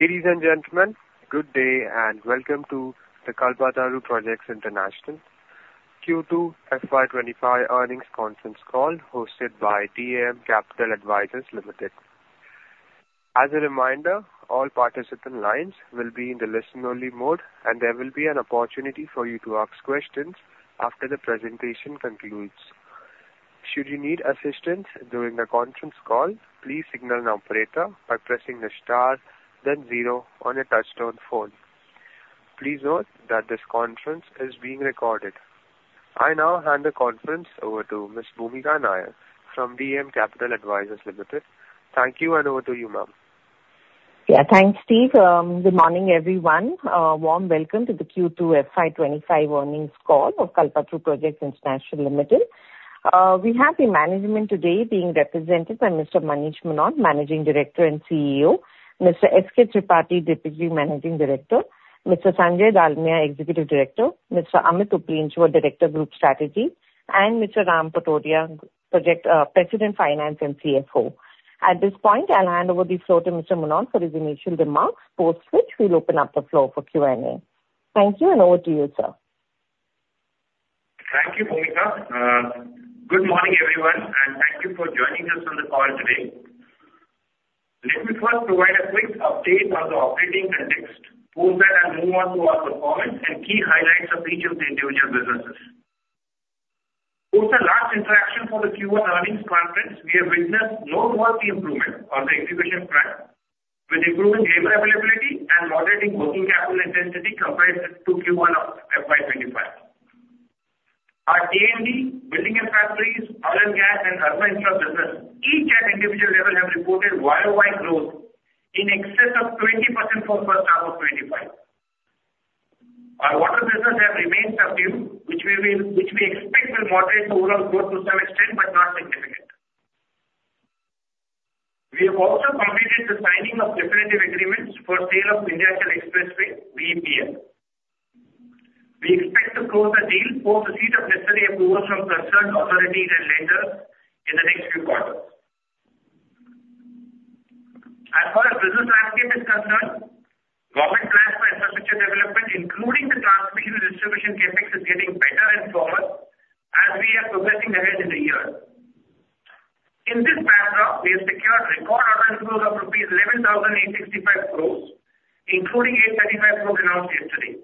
Ladies and gentlemen, good day, and welcome to the Kalpataru Projects International Q2 FY 2025 earnings conference call, hosted by DAM Capital Advisors Limited. As a reminder, all participant lines will be in the listen-only mode, and there will be an opportunity for you to ask questions after the presentation concludes. Should you need assistance during the conference call, please signal an operator by pressing the star then zero on your touchtone phone. Please note that this conference is being recorded. I now hand the conference over to Ms. Bhumika Nair from DAM Capital Advisors Limited. Thank you, and over to you, ma'am. Yeah. Thanks, Steve. Good morning, everyone. A warm welcome to the Q2 FY 2025 earnings call of Kalpataru Projects International Limited. We have the management today being represented by Mr. Manish Mohnot, Managing Director and CEO, Mr. S.K. Tripathi, Deputy Managing Director, Mr. Sanjay Dalmia, Executive Director, Mr. Amit Uplenchwar, Director, Group Strategy, and Mr. Ram Patodia, President, Finance and CFO. At this point, I'll hand over the floor to Mr. Mohnot for his initial remarks, post which we'll open up the floor for Q&A. Thank you, and over to you, sir. Thank you, Bhumika. Good morning, everyone, and thank you for joining us on the call today. Let me first provide a quick update on the operating context before I move on to our performance and key highlights of each of the individual businesses. Post our last interaction for the Q1 earnings conference, we have witnessed noteworthy improvement on the execution front, with improving labor availability and moderating working capital intensity compared to Q1 of FY 2025. Our B&F, Buildings and Factories, Oil and Gas, and Urban Infrastructure business, each at individual level, have reported YOY growth in excess of 20% for first half of 2025. Our water business has remained subdued, which we expect will moderate the overall growth to some extent, but not significant. We have also completed the signing of definitive agreements for sale of Indore Bhopal Expressway, VEPL. We expect to close the deal post receipt of necessary approval from concerned authorities and lenders in the next few quarters. As far as business landscape is concerned, government plans for infrastructure development, including the transmission and distribution CapEx, is getting better and firmer as we are progressing ahead in the year. In this backdrop, we have secured record order inflows of rupees 11,865 crores, including 835 crores announced yesterday.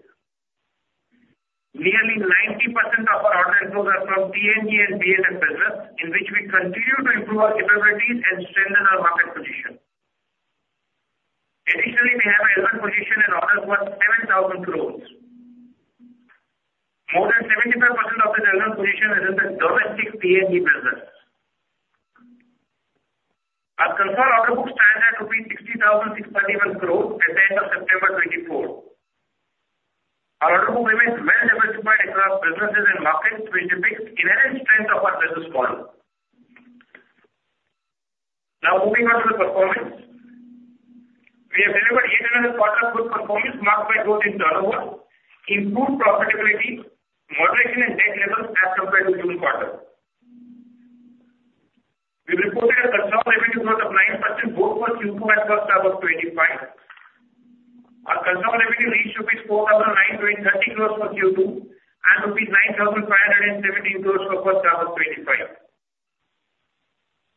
Nearly 90% of our order inflows are from T&D and B&F business, in which we continue to improve our capabilities and strengthen our market position. Additionally, we have an order book and orders worth INR 7,000 crores. More than 75% of the order book is in the domestic T&D business. Our consolidated order book stands at INR 60,631 crores at the end of September 2024. Our order book remains well diversified across businesses and markets, which depicts inherent strength of our business model. Now, moving on to the performance. We have delivered yet another quarter of good performance, marked by growth in turnover, improved profitability, moderation in debt levels as compared to June quarter. We reported a consolidated revenue growth of 9% both for Q2 and first half of twenty-five. Our consolidated revenue reached INR 4,923 crores for Q2, and rupees 9,517 crores for first half of twenty-five.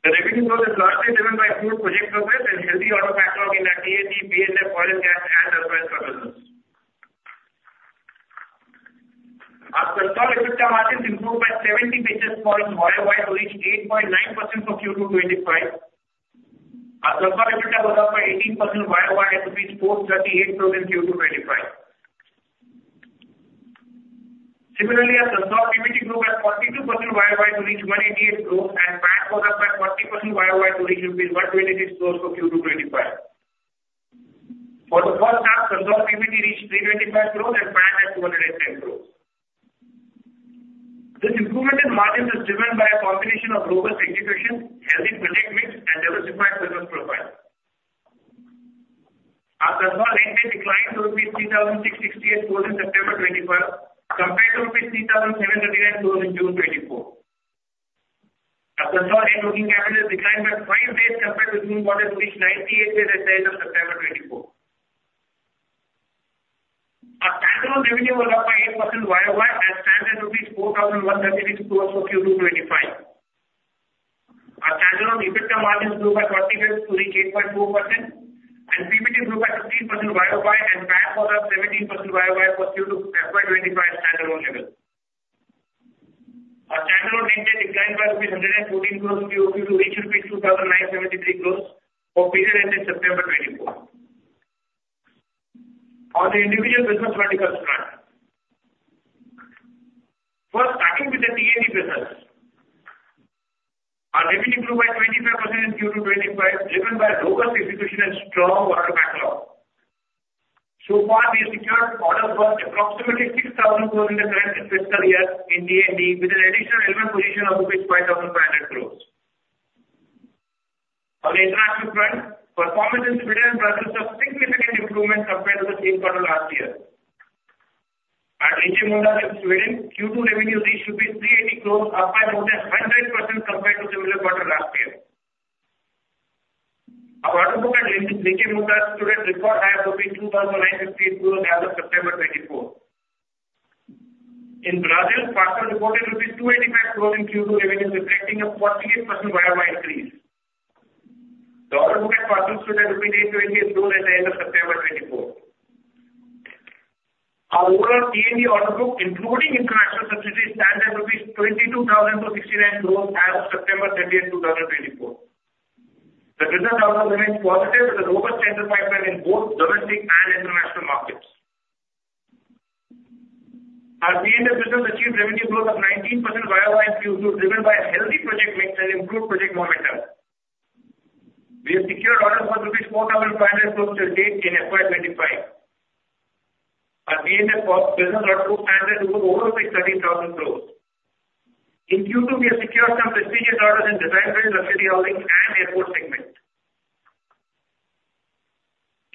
The revenue growth is largely driven by good project progress and healthy order backlog in our T&D, B&F, oil and gas, and urban infra business. Our consolidated EBITDA margins improved by seventy basis points YOY, to reach 8.9% for Q2 twenty-five. Our consolidated EBITDA went up by 18% YOY to INR 438 crores in Q2 2025. Similarly, our consolidated PBT grew by 42% YOY to reach INR 188 crores, and PAT grew by 40% YOY to reach INR 126 crores for Q2 2025. For the first half, consolidated PBT reached INR 325 crores and PAT at INR 210 crores. This improvement in margins is driven by a combination of robust execution, healthy project mix, and diversified business profile. Our consolidated debt declined to rupees 3,668 crores in September 2025, compared to rupees 3,739 crores in June 2024. Our consolidated working capital declined by five days compared to June quarter, which 98 days as at September 2024. Our standalone revenue grew up by 8% YOY and stands at 4,133 crores for Q2 2025. Our standalone EBITDA margins grew by 40 basis to reach 8.4%, and PBT grew by 15% YOY, and PAT grew by 17% YOY for Q2 FY 2025 standalone level. Our standalone intake declined by INR 114 crore QOQ to reach INR 2,973 crore for period ending September 2024. On the individual business verticals front, first, starting with the T&D business, our revenue grew by 25% in Q2 2025, driven by robust execution and strong order backlog. So far, we have secured orders worth approximately 6,000 crore in the current fiscal year in T&D, with an additional relevant position of rupees 5,500 crore. On the infrastructure front, performance in Sweden business saw significant improvement compared to the same quarter last year.... Our Linjemontage in Sweden, Q2 revenues should be 380 crore, up by about 100% compared to the similar quarter last year. Our order book at Linjemontage stood at record high of INR 2,958 crore as of September 2024. In Brazil, Fasttel reported rupees 285 crore in Q2 revenue, reflecting a 48% year-on-year increase. The order book at Fasttel stood at INR 828 crore at the end of September 2024. Our overall P&E order book, including international subsidiaries, stands at rupees 22,669 crore as of September 30, 2024. The business outlook remains positive with a robust tender pipeline in both domestic and international markets. Our P&S business achieved revenue growth of 19% year-on-year in Q2, driven by a healthy project mix and improved project momentum. We have secured orders for INR 4,500 crores till date in FY 2025. Our P&S business order book stands at over 613 thousand crores. In Q2, we have secured some prestigious orders in design build, luxury housing and airport segment.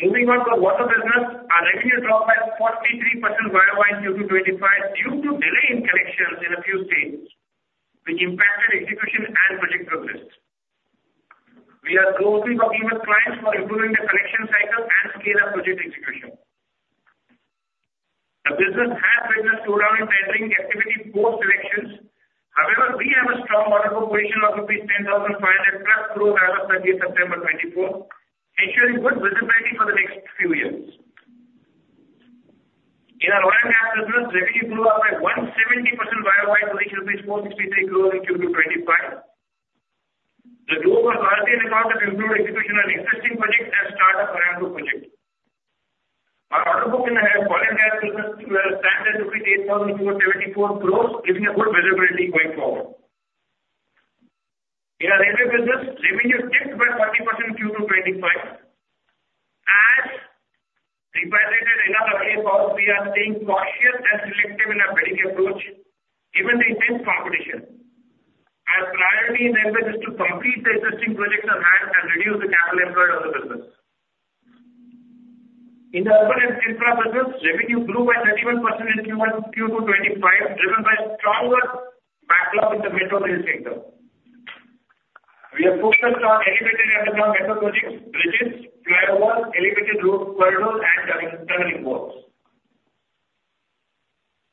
Moving on to water business, our revenue dropped by 43% year-on-year in Q2 2025 due to delay in collections in a few states, which impacted execution and project progress. We are closely talking with clients for improving the collection cycle and scale up project execution. The business has witnessed slowdown in tendering activity post elections. However, we have a strong order book position of INR 10,500+ crores as of thirtieth September 2024, ensuring good visibility for the next few years. In our oil and gas business, revenue grew up by 170% year-on-year to INR 463 crores in Q2 2025. The growth was largely the result of improved execution on existing projects and start of Aramco project. Our order book in the oil and gas business stands at rupees 8,474 crores, giving a good visibility going forward. In our railway business, revenue dipped by 30% in Q2 2025. As reiterated in our earlier calls, we are staying cautious and selective in our bidding approach, given the intense competition. Our priority in railways is to complete the existing projects on hand and reduce the capital employed on the business. In the urban and infra business, revenue grew by 31% in Q2 2025, driven by stronger backlog in the metro rail sector. We are focused on elevated and underground metro projects, bridges, flyovers, elevated road corridors and tunneling works.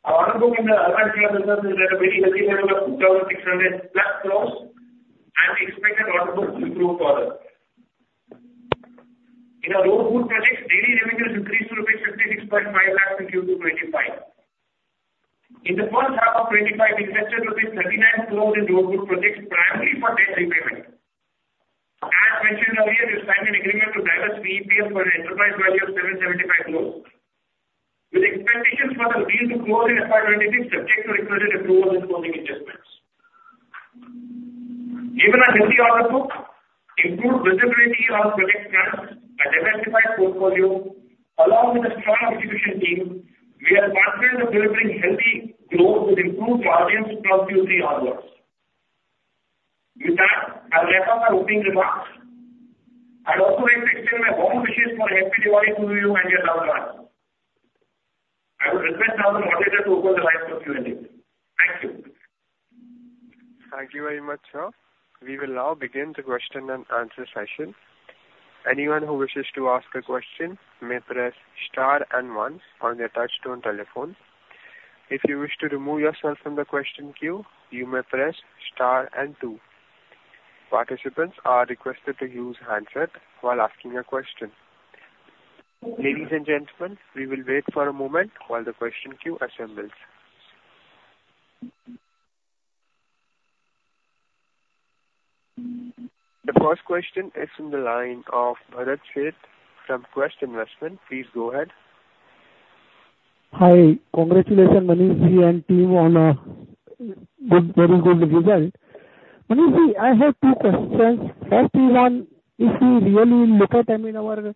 Our order book in the urban and infra business is at a very healthy level of INR 2,600 plus crores and we expect our order book to grow further. In our Road BOOT projects, daily revenues increased to INR 66.5 lakhs in Q2 2025. In the first half of 2025, we invested INR 39 crores in Road BOOT projects, primarily for debt repayment. As mentioned earlier, we signed an agreement to divest VEPL for an enterprise value of 775 crores, with expectations for the deal to close in FY 2026, subject to regulatory approval and closing adjustments. Given our healthy order book, improved visibility on project plans and diversified portfolio, along with a strong execution team, we are confident of delivering healthy growth with improved margins from Q3 onwards. With that, I will wrap up my opening remarks. I'd also like to extend my warm wishes for a happy Diwali to you and your loved ones. I would request now the moderator to open the line for Q&A. Thank you. Thank you very much, sir. We will now begin the question and answer session. Anyone who wishes to ask a question may press star and one on their touchtone telephone. If you wish to remove yourself from the question queue, you may press star and two. Participants are requested to use handset while asking a question. Ladies and gentlemen, we will wait for a moment while the question queue assembles. The first question is in the line of Bharat Sheth from Quest Investment Advisors. Please go ahead. Hi. Congratulations, Manish and team on a good, very good result. Manish, I have two questions. First one, if you really look at, I mean, our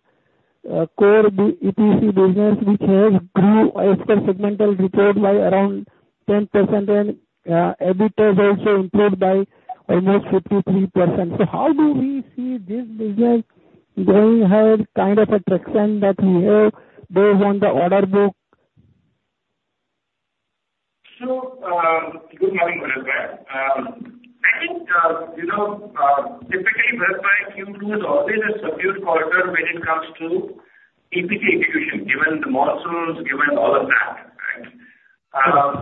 core EPC business, which has grew as per segmental report by around 10% and, EBIT has also improved by almost 53%. So how do we see this business going ahead, kind of attraction that we have based on the order book? So, good morning, Bharat. I think, you know, typically Bharat, Q2 is always a subdued quarter when it comes to EPC execution, given the monsoons, given all of that, right?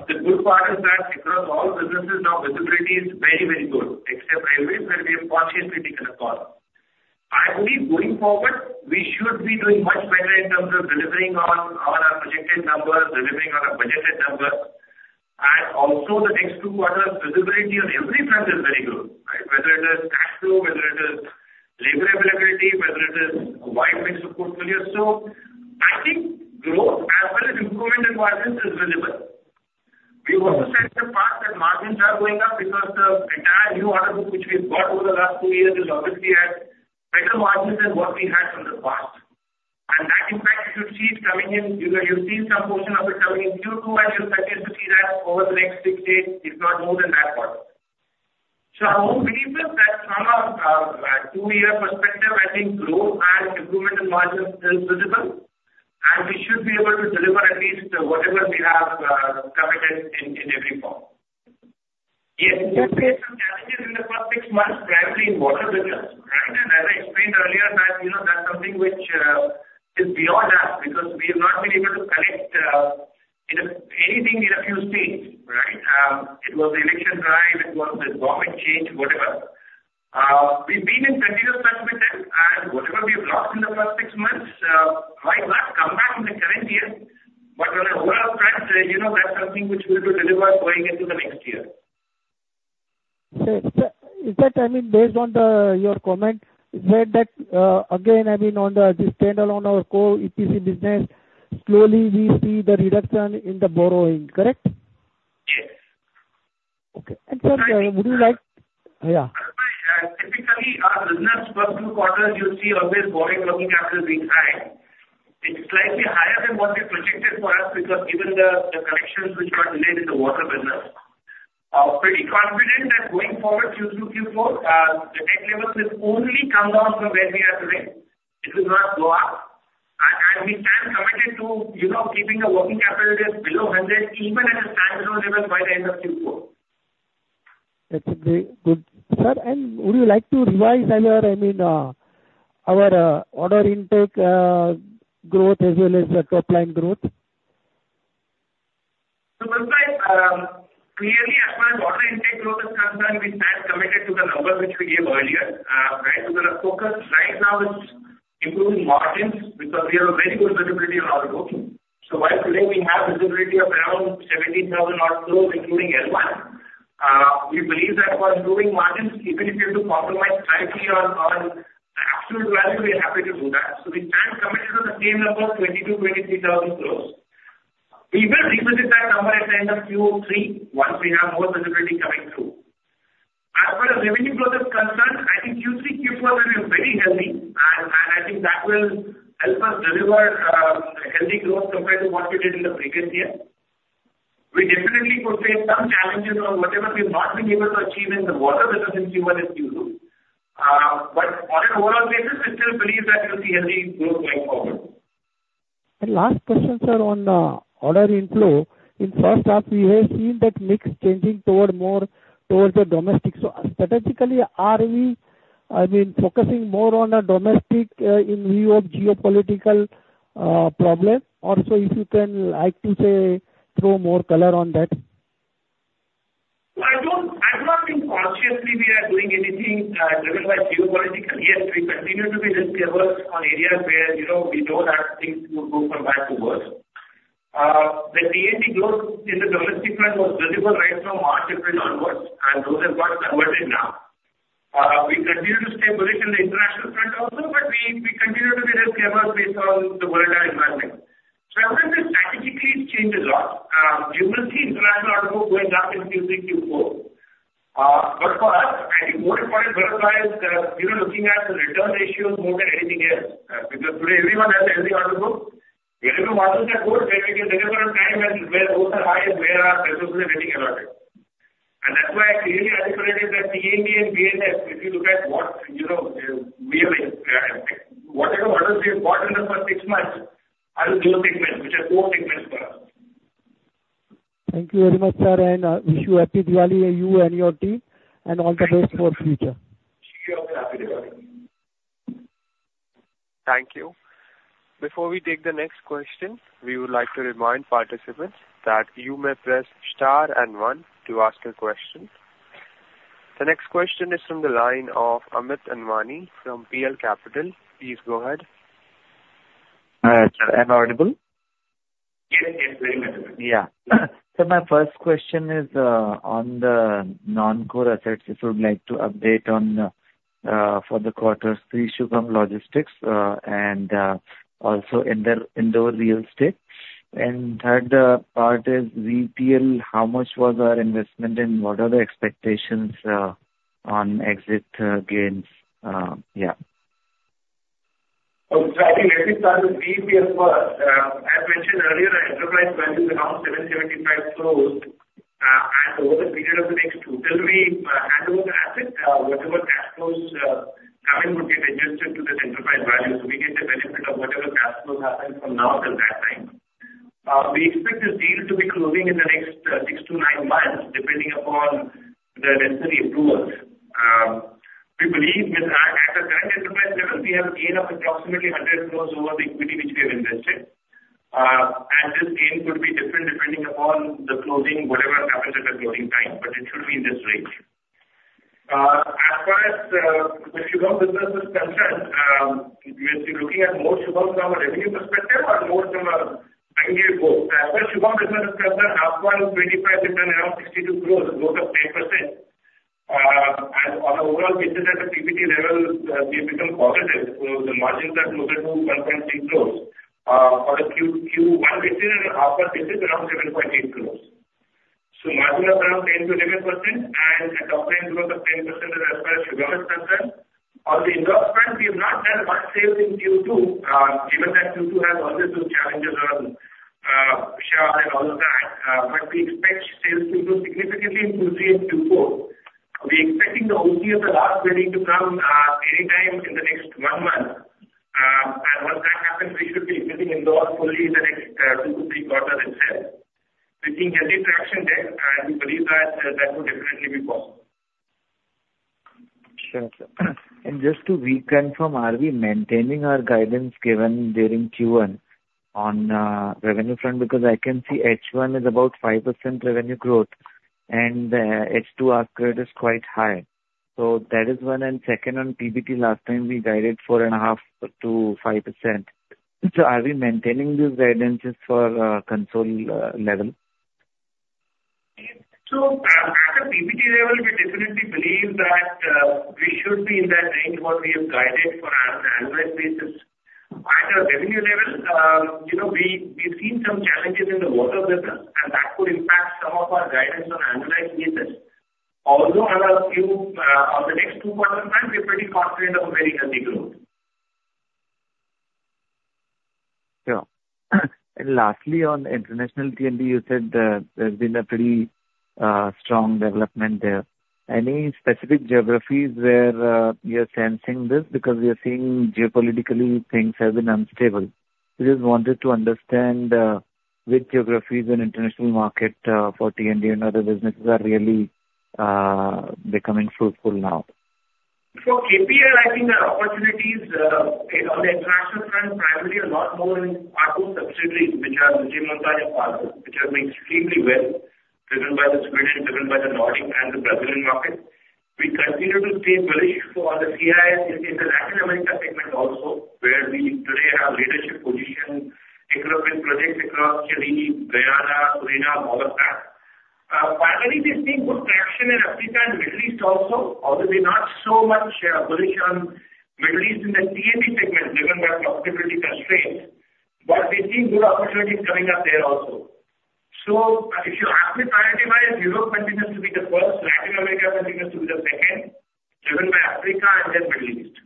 The good part is that across all businesses, now visibility is very, very good, except railways, where we have consciously taken a call. I believe, going forward, we should be doing much better in terms of delivering on our projected numbers, delivering on our budgeted numbers. And also the next two quarters, visibility on every front is very good, right? Whether it is cash flow, whether it is labor availability, whether it is wide mix of portfolios. So I think growth as well as improvement in margins is visible. We also said the fact that margins are going up because the entire new order book, which we've got over the last two years, will obviously have better margins than what we had in the past. And that, in fact, you should see it coming in. You, you'll see some portion of it coming in Q2, and you'll continue to see that over the next six to eight, if not more than that, quarters, so our own belief is that from a two-year perspective, I think growth and improvement in margins is visible, and we should be able to deliver at least whatever we have committed in every form. Yes, we have faced some challenges in the first six months, primarily in water business, right? And as I explained earlier, that, you know, that's something which is beyond us, because we have not been able to collect anything in a few states, right? It was the election time, it was the government change, whatever. We've been in continuous touch with them, and whatever we've lost in the first six months might not come back in the current year. But on an overall trend, you know, that's something which we will deliver going into the next year. Sir, is that, I mean, based on your comment, where that, again, I mean, on this stand-alone, our core EPC business, slowly we see the reduction in the borrowing, correct? Yes. Okay. And sir, would you like? Yeah. Typically, our business first two quarters, you see always working capital being high. It's slightly higher than what we projected for us, because even the collections which were delayed in the water business. Pretty confident that going forward, Q2, Q4, the debt levels will only come down from where we are today. It will not go up. And we stand committed to, you know, keeping the working capital just below hundred, even at a standard level by the end of Q4. That's great. Good. Sir, and would you like to revise our, I mean, order intake growth as well as the top line growth? So, clearly, as far as order intake growth is concerned, we stand committed to the numbers which we gave earlier. Right? So the focus right now is improving margins, because we have a very good visibility on our book. So while today we have visibility of around 70,000-odd crores, including L1, we believe that for improving margins, even if we have to compromise slightly on absolute value, we are happy to do that. So we stand committed on the same number, 22,000-23,000 crores. We will revisit that number at the end of Q3, once we have more visibility coming through. As far as revenue growth is concerned, I think Q3, Q4 will be very healthy, and I think that will help us deliver healthy growth compared to what we did in the previous year. We definitely could face some challenges on whatever we've not been able to achieve in the water business in Q1 and Q2, but on an overall basis, we still believe that you'll see healthy growth going forward. Last question, sir, on order inflow. In first half, we have seen that mix changing toward more, towards the domestic. So strategically, are we, I mean, focusing more on a domestic, in view of geopolitical problem? Also, if you can like to say, throw more color on that. I don't, I do not think consciously we are doing anything driven by geopolitical. Yes, we continue to be risk-averse on areas where, you know, we know that things could go from bad to worse. The T&D growth in the domestic front was visible right from March, April onwards, and those have got converted now. We continue to stay bullish in the international front also, but we continue to be risk-averse based on the volatile environment. So I wouldn't say strategically it changes a lot. You will see international order book going up in Q3, Q4. But for us, I think more important for us are, you know, looking at the return ratios more than anything else, because today everyone has a healthy order book. Even margins are good, but if you deliver on time and where those are high is where our shareholders are getting value added. And that's why clearly our difference is that T&D and B&F, if you look at what, you know, we are, whatever orders we have brought in the first six months, are EPC margins, which are poor margins for us. Thank you very much, sir, and wish you happy Diwali, you and your team, and all the best for future. Wish you all happy Diwali. Thank you. Before we take the next question, we would like to remind participants that you may press star and one to ask a question. The next question is from the line of Amit Anwani from PL Capital. Please go ahead. Sir, am I audible? Yes, yes, very much so. Yeah. So my first question is, on the non-core assets, if you would like to update on, for the quarter three, Shubham Logistics, and also Indore Real Estate. And third part is VEPL, how much was our investment, and what are the expectations, on exit gains? Yeah. Okay. So I think let me start with VPL first. As mentioned earlier, our enterprise value is around 775 crores. And over the period of the next two, till we, handle the asset, whatever cash flows, coming would get adjusted to this enterprise value. So we get the benefit of whatever cash flow happens from now till that time. We expect this deal to be closing in the next, six to nine months, depending upon the necessary approvals. We believe with at, at the current enterprise level, we have a gain of approximately 100 crores over the equity which we have invested. And this gain could be different depending upon the closing, whatever happens at the closing time, but it should be in this range. As far as the Shubham business is concerned, you'll be looking at more Shubham from a revenue perspective or more from a... I think both. As far as Shubham business is concerned, H1, 25 million, around INR 62 crores, a growth of 10%. And on an overall basis, at a PBT level, we become positive. So the margins are closer to 1.6 crores for the Q1 2018 and half year basis, around 7.8 crores. So margin of around 10%-11%, and the top line growth of 10% is as far as Shubham is concerned. On the Indore front, we have not had much sales in Q2, given that Q2 has always those challenges around push out and all of that, but we expect sales to grow significantly in Q3 and Q4. We're expecting the OC of the last bidding to come, anytime in the next one month. And once that happens, we should be getting in those fully in the next two to three quarters itself. We're seeing healthy traction there, and we believe that will definitely be possible. Sure, sir. And just to reconfirm, are we maintaining our guidance given during Q1 on the revenue front? Because I can see H1 is about 5% revenue growth, and H2 upgrade is quite high. So that is one, and second, on PBT, last time we guided 4.5%-5%. So are we maintaining these guidances for consolidated level? At a PBT level, we definitely believe that we should be in that range what we have guided for on an annualized basis. At a revenue level, you know, we've seen some challenges in the water business, and that could impact some of our guidance on an annualized basis. Although on the next two quarters time, we're pretty confident of a very healthy growth. Sure. And lastly, on international T&D, you said, there's been a pretty strong development there. Any specific geographies where you're sensing this? Because we are seeing geopolitically things have been unstable. I just wanted to understand which geographies in international market for T&D and other businesses are really becoming fruitful now. For KPI, I think our opportunities in on the international front, primarily a lot more in our two subsidiaries, which are Linjemontage and Fasttel, which are doing extremely well, driven by the Swedish, driven by the Nordic and the Brazilian market. We continue to stay bullish for the T&D in the Latin America segment also, where we today have leadership position, equipment projects across Chile, Guyana, Suriname, all of that. Finally, we're seeing good traction in Africa and Middle East also. Although we're not so much bullish on Middle East in the T&D segment, driven by profitability constraints, but we're seeing good opportunities coming up there also. So if you ask me to prioritize, Europe continues to be the first, Latin America continues to be the second, driven by Africa and then Middle East.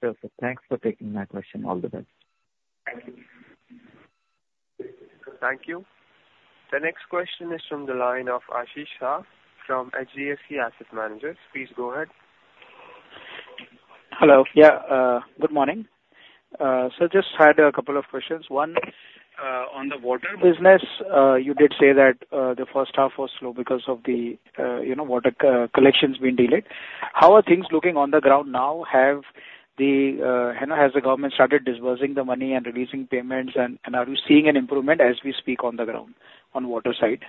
Sure, sir. Thanks for taking my question. All the best. Thank you. Thank you. The next question is from the line of Ashish Shah from HDFC Asset Managers. Please go ahead. Hello. Yeah, good morning. So just had a couple of questions. One, on the water business, you did say that the first half was slow because of the, you know, water collections being delayed. How are things looking on the ground now? Has the, you know, government started disbursing the money and releasing payments, and are you seeing an improvement as we speak on the ground, on water side?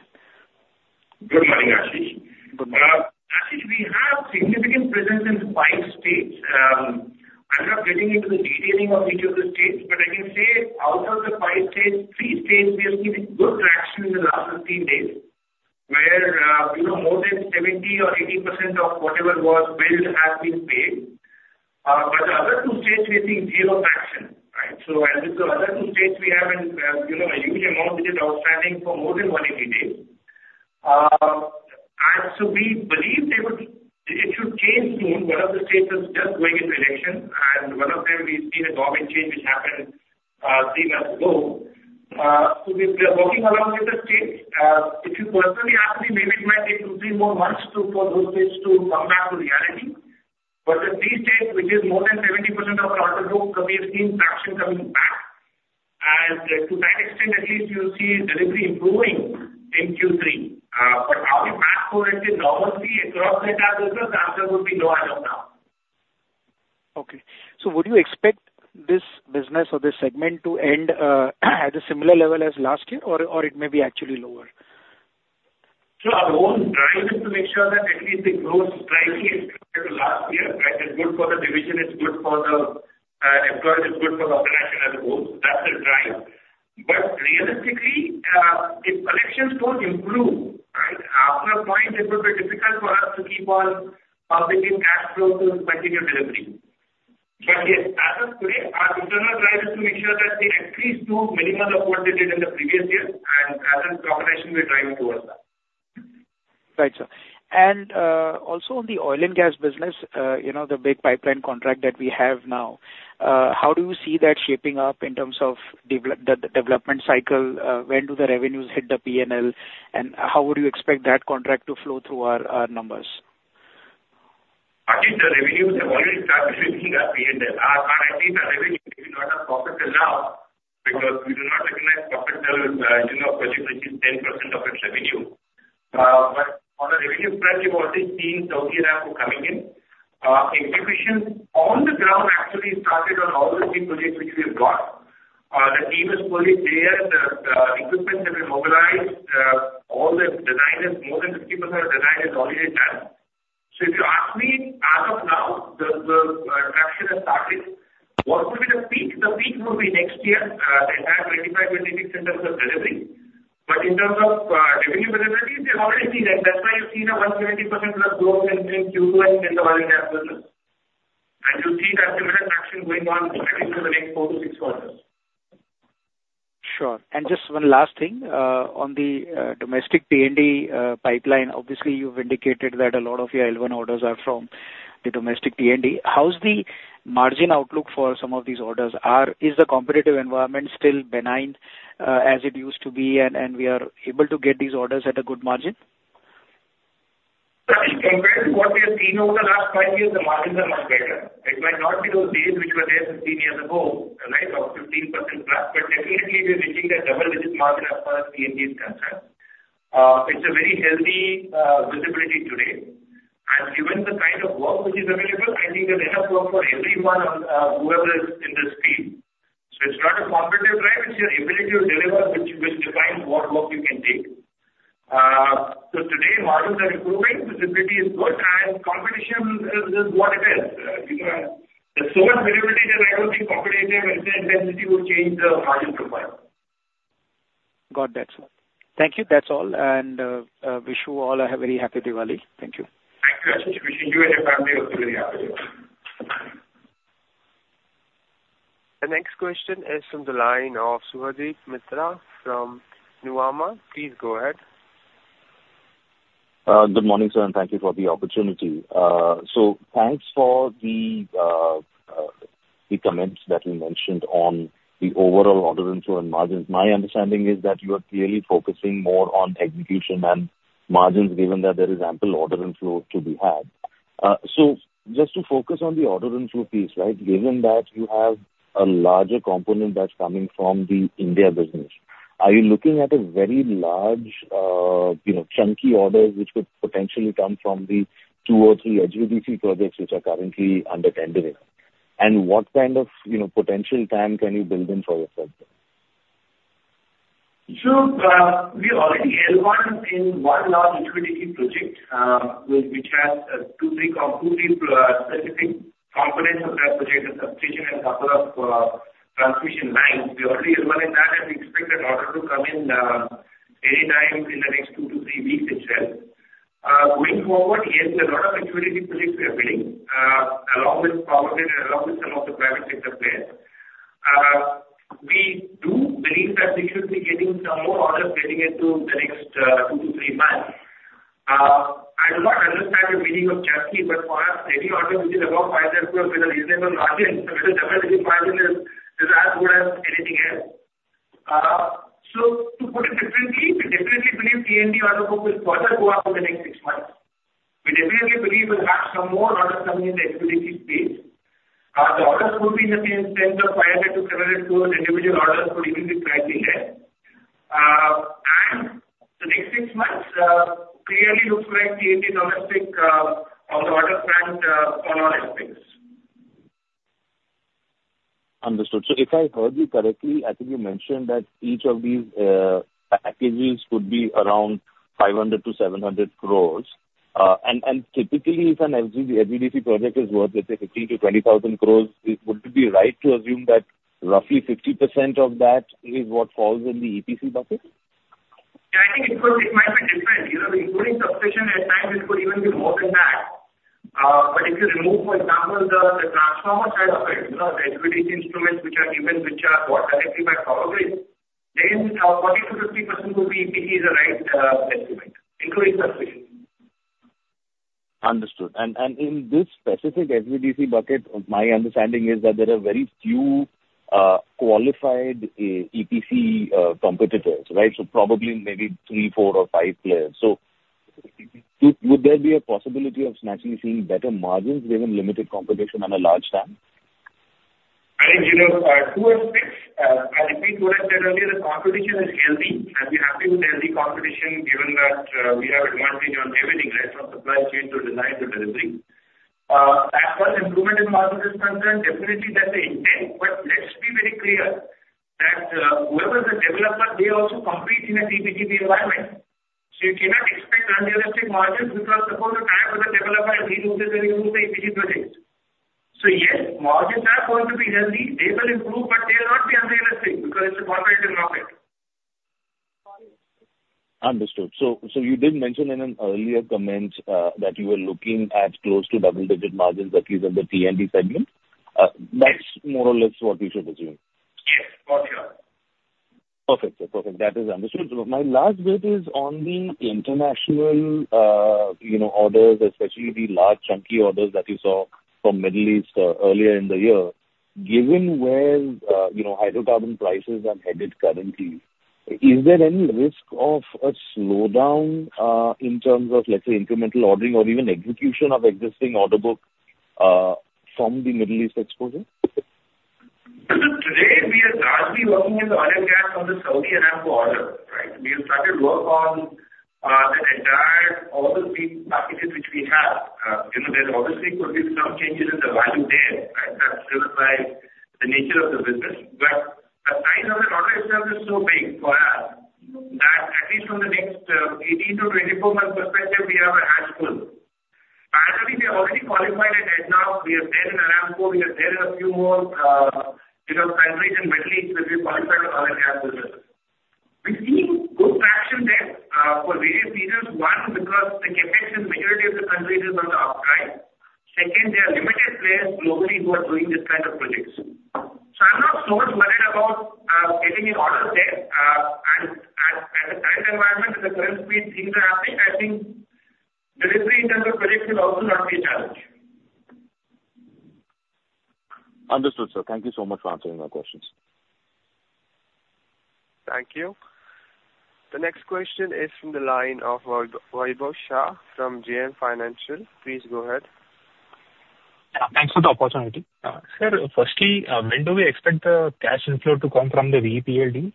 Good morning, Ashish. Good morning. Ashish, we have significant presence in five states. I'm not getting into the detailing of each of the states, but I can say out of the five states, three states, we have seen good traction in the last 15 days, where, you know, more than 70% or 80% of whatever was billed has been paid. But the other two states, we're seeing zero traction, right? So as with the other two states, we have an, you know, a huge amount which is outstanding for more than 180 days. As to we believe they would, it should change soon. One of the states is just going into election, and one of them we've seen a government change which happened, three months ago. So we're working along with the states. If you personally ask me, maybe it might take two, three more months to, for those states to come back to reality. In these states, which is more than 70% of our order book, so we have seen traction coming back. To that extent, at least you'll see delivery improving in Q3. How we back to where we were normally across the entire business, the answer would be no as of now. Okay. So would you expect this business or this segment to end at a similar level as last year, or it may be actually lower? So our own drive is to make sure that at least it grows slightly as compared to last year, right? It's good for the division, it's good for the employer, it's good for the corporation as a whole. That's the drive. But realistically, if collections don't improve, right, after a point it will be difficult for us to keep on pumping in cash flow to continue delivery. But yes, as of today, our internal drive is to make sure that we at least do minimum of what we did in the previous year, and as a corporation, we're driving towards that. Right, sir. And, also on the oil and gas business, you know, the big pipeline contract that we have now, how do you see that shaping up in terms of the development cycle? When do the revenues hit the PNL, and how would you expect that contract to flow through our numbers? Ashish, the revenues have already started hitting our PNL. Currently, the revenue, maybe not the profit is now, because we do not recognize profit till, you know, a project, which is 10% of its revenue. But on the revenue front, we've already seen 30 lakh coming in. Execution on the ground actually started on all the three projects which we have got. The team is fully there, the equipment have been mobilized, all the design is more than 50% design is already done. So if you ask me, as of now, the traction has started. What will be the peak? The peak will be next year. It has 2025, 2026 in terms of delivery. But in terms of revenue visibility, we have already seen that. That's why you've seen a 170% plus growth between Q2 and in the Oil & Gas business. And you'll see that similar traction going on at least for the next four to six quarters. Sure. And just one last thing, on the domestic T&D pipeline, obviously, you've indicated that a lot of your L1 orders are from the domestic T&D. How's the margin outlook for some of these orders? Is the competitive environment still benign, as it used to be, and we are able to get these orders at a good margin? Sir, in comparison to what we have seen over the last five years, the margins are much better. It might not be those days which were there 15 years ago, right, of 15% plus, but definitely we're reaching the double-digit margin as far as T&D is concerned. It's a very healthy visibility today, and given the kind of work which is available, I think there's enough work for everyone, whoever is in this field, so it's not a competitive drive, it's your ability to deliver which defines what work you can take, so today, margins are improving, visibility is good, and competition is what it is, because there's so much variability that I don't think competitive intensity will change the margin profile. Got that, sir. Thank you. That's all, and wish you all a very happy Diwali. Thank you. Thank you, Ashish. Wishing you and your family a very happy Diwali. The next question is from the line of Subhadip Mitra from Nuvama. Please go ahead. Good morning, sir, and thank you for the opportunity. So thanks for the comments that you mentioned on the overall order inflow and margins. My understanding is that you are clearly focusing more on execution and margins, given that there is ample order inflow to be had. So just to focus on the order inflow piece, right? Given that you have a larger component that's coming from the India business, are you looking at a very large, you know, chunky orders, which could potentially come from the two or three HVDC projects which are currently under tender there? And what kind of, you know, potential time can you build in for yourself there? We already L1 in one large HVDC project, which has two, three specific components of that project, the substation and couple of transmission lines. We already L1 in that, and we expect that order to come in any time in the next two to three weeks itself. Going forward, yes, there are a lot of HVDC projects we are bidding along with Power Grid and along with some of the private sector players. We do believe that we should be getting some more orders getting into the next two to three months. I do not understand the meaning of chunky, but for us, any order which is above 500 with a reasonable margin, so with a double-digit margin is as good as anything else. So to put it differently, we definitely believe T&D order book will further go up in the next six months. We definitely believe we'll have some more orders coming in the HVDC space. The orders could be in the range of 500-700 crores. Individual orders could even be 200 there. The next six months clearly looks like T&D domestic on the order front on all aspects. Understood. So if I heard you correctly, I think you mentioned that each of these packages could be around 500-700 crores. And typically, if an HVDC project is worth, let's say, 15,000-20,000 crores, would it be right to assume that roughly 50% of that is what falls in the EPC bucket? Yeah, I think it could, it might be different. You know, including substation, at times it could even be more than that. But if you remove, for example, the transformer side of it, you know, the HVDC instruments which are given, which are bought directly by Power Grid, then 40%-50% would be EPC is the right estimate, including substation. Understood. And in this specific HVDC bucket, my understanding is that there are very few qualified EPC competitors, right? So probably maybe three, four, or five players. So would there be a possibility of naturally seeing better margins given limited competition and a large TAM? I think, you know, two aspects, as we would have said earlier, the competition is healthy, and we're happy with healthy competition given that, we have advantage on everything, right, from supply chain to design to delivery. As far as improvement in margin is concerned, definitely that's the intent. But let's be very clear that, whoever the developer, they also compete in a CPQ environment. So you cannot expect unrealistic margins, because suppose the TAM of the developer, he loses the EPC projects. So yes, margins are going to be healthy. They will improve, but they will not be unrealistic, because it's a competitive market. Understood, so you did mention in an earlier comment that you were looking at close to double-digit margins, at least in the T&D segment. That's more or less what we should assume? Yes, got you. Perfect, sir. Perfect. That is understood. So my last bit is on the international, you know, orders, especially the large chunky orders that you saw from Middle East, earlier in the year. Given where, you know, hydrocarbon prices are headed currently, is there any risk of a slowdown, in terms of, let's say, incremental ordering or even execution of existing order book, from the Middle East exposure? Today, we are largely working with oil and gas on the Saudi Aramco order, right? We have started work on, the entire order book packages which we have. You know, there's obviously could be some changes in the value there, and that's driven by the nature of the business. But the size of the order itself is so big for us, that at least from the next, eighteen to twenty-four month perspective, we have our hands full. Actually, we have already qualified in ADNOC, we are there in Aramco, we are there in a few more, you know, countries in Middle East, which we've qualified for oil and gas business. We see good traction there, for various reasons. One, because the CapEx in majority of the countries is on the uptrend. Second, there are limited players globally who are doing this kind of projects. So I'm not so much worried about getting an order there, environment and the current speed things are happening. I think delivery in terms of projects will also not be a challenge. Understood, sir. Thank you so much for answering my questions. Thank you. The next question is from the line of Vaibhav Shah from JM Financial. Please go ahead. Yeah, thanks for the opportunity. Sir, firstly, when do we expect the cash inflow to come from the VPL?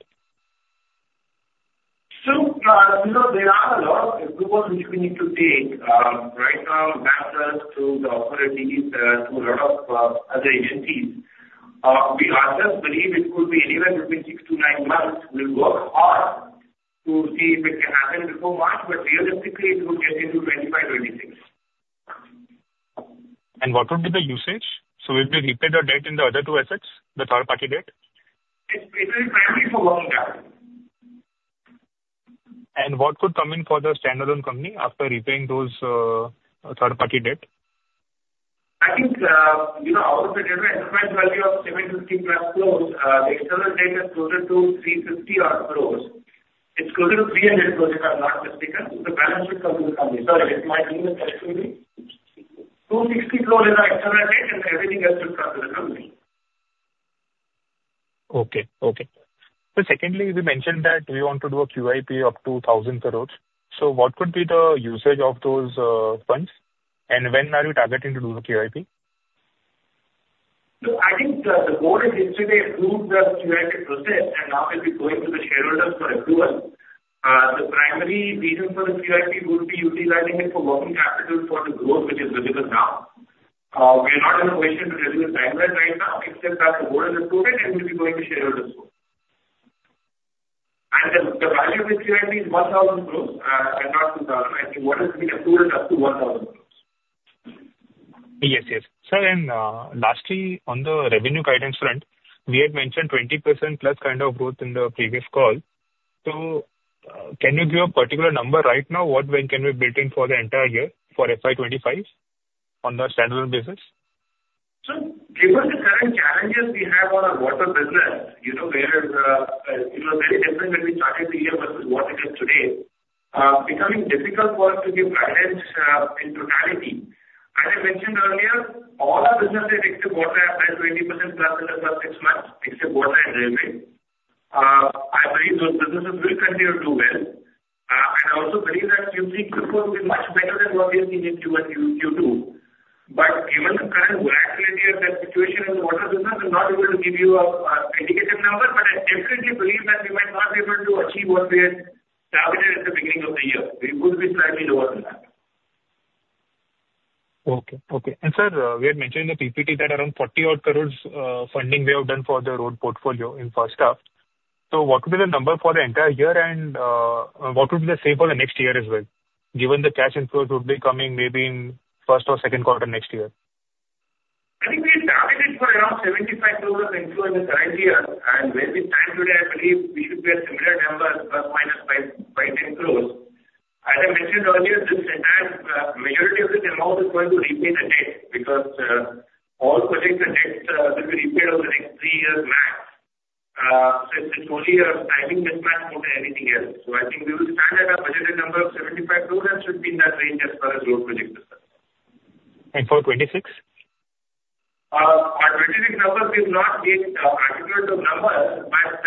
You know, there are a lot of approvals which we need to take, right now, matters to the authorities, to a lot of other agencies. We ourselves believe it could be anywhere between six to nine months. We'll work hard to see if it can happen before March, but realistically, it will get into 2025, 2026. What would be the usage? Will we repay the debt in the other two assets, the third party debt? It will be primarily for long term. What could come in for the standalone company after repaying those third-party debt? I think, you know, out of the total enterprise value of 750 crores, the external debt is closer to 350 odd crores. It's closer to 300 crores if I'm not mistaken. The balance should come to the company. Sorry, am I hearing it correctly? 260 crores is our external debt, and everything else will come to the company. Okay. So secondly, we mentioned that we want to do a QIP up to 1,000 crores. So what could be the usage of those funds, and when are you targeting to do the QIP? So I think the board has yesterday approved the QIP process, and now we'll be going to the shareholders for approval. The primary reason for the QIP would be utilizing it for working capital for the growth which is visible now. We are not in a position to give you a timeline right now, except that the board has approved it, and we'll be going to shareholders for. The value of this QIP is 1,000 crores, and not 2,000. I think what has been approved is up to 1,000 crores. Yes. Yes. Sir, and lastly, on the revenue guidance front, we had mentioned 20% plus kind of growth in the previous call. So, can you give a particular number right now, what when can we build in for the entire year for FY 2025 on the standalone basis? Given the current challenges we have on our water business, you know, where it was very different when we started the year versus what it is today, becoming difficult for us to give guidance in totality. As I mentioned earlier, all our businesses except water have grown 20% plus in the last six months, except water and railway. I believe those businesses will continue to do well. I also believe that Q3 could well be much better than what we have seen in Q1 and Q2. Given the current volatility of the situation in the water business, I'm not able to give you an indicative number, but I definitely believe that we might not be able to achieve what we had targeted at the beginning of the year. We could be slightly lower than that. Okay. And, sir, we had mentioned in the PPT that around 40-odd crores funding we have done for the road portfolio in first half. So what will be the number for the entire year, and what would be the same for the next year as well, given the cash inflows would be coming maybe in first or second quarter next year? I think we targeted for around 75 crores inflow in the current year, and where we stand today, I believe we should be a similar number, plus or minus by 10 crores. As I mentioned earlier, this entire majority of this amount is going to repay the debt because all projects and debts will be repaid over the next three years max. So it's only a timing mismatch more than anything else. So I think we will stand at our budgeted number of 75 crores and should be in that range as far as road projects are concerned. For twenty-six? For twenty-six numbers, we've not gave particular numbers, but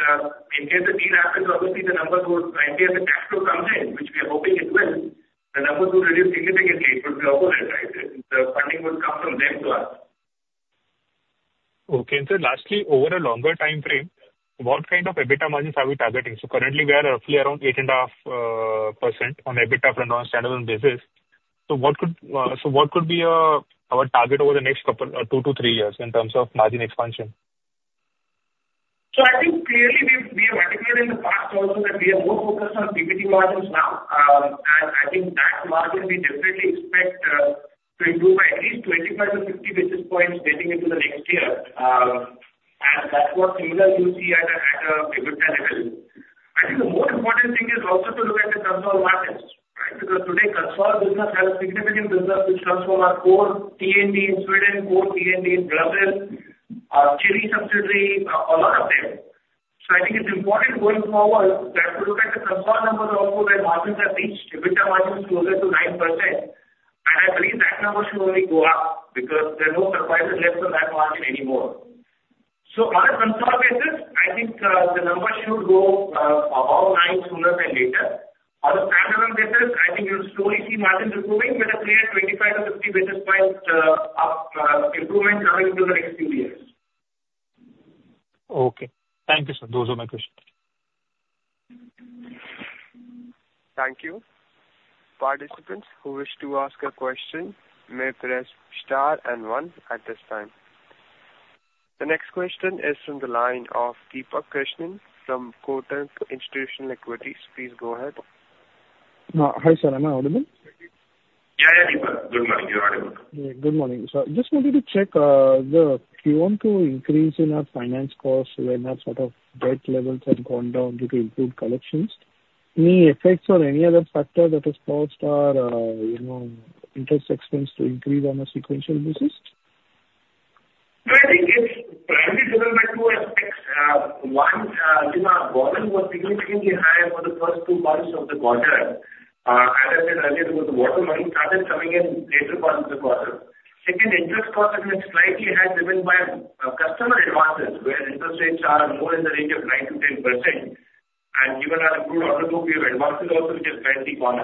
in case the deal happens, obviously, the numbers would. If the transaction comes in, which we are hoping it will, the numbers will reduce significantly. It would be opposite, right? The funding would come from them to us. Okay. And sir, lastly, over a longer time frame, what kind of EBITDA margins are we targeting? So currently, we are roughly around 8.5% on EBITDA for non-standalone basis. So what could be our target over the next couple, two to three years in terms of margin expansion? So I think clearly, we've, we have articulated in the past also that we are more focused on PBT margins now. And I think that margin we definitely expect to improve by at least 25-50 basis points getting into the next year. And that's what similarly you'll see at a EBITDA level. I think the more important thing is also to look at the consolidated margins, right? Because today, consolidated business has a significant business which comes from our core T&D in Sweden, core T&D in Brazil, our Chile subsidiary, a lot of them. So I think it's important going forward that to look at the consolidated numbers also, where margins have reached, EBITDA margin is closer to 9%, and I believe that number should only go up because there are no surprises left on that margin anymore. On a consolidated basis, I think, the number should go above nine sooner than later. On a standalone basis, I think you'll slowly see margins improving with a clear twenty-five to fifty basis points of improvement coming into the next few years. Okay. Thank you, sir. Those are my questions. Thank you. Participants who wish to ask a question may press star and one at this time. The next question is from the line of Deepak Krishnan from Kotak Institutional Equities. Please go ahead. Hi, sir. Am I audible? Yeah, yeah, Deepak, good morning. You're audible. Yeah, good morning, sir. Just wanted to check the Q1 increase in our finance costs when our sort of debt levels have gone down due to improved collections. Any effects or any other factor that has caused our, you know, interest expense to increase on a sequential basis?... No, I think it's primarily driven by two aspects. One, you know, volume was significantly high over the first two quarters of the quarter. As I said earlier, with the water money started coming in later part of the quarter. Second, interest cost has been slightly higher, driven by, customer advances, where interest rates are more in the range of 9%-10%. And given our improved order book, we have advanced it also, which has led the corner.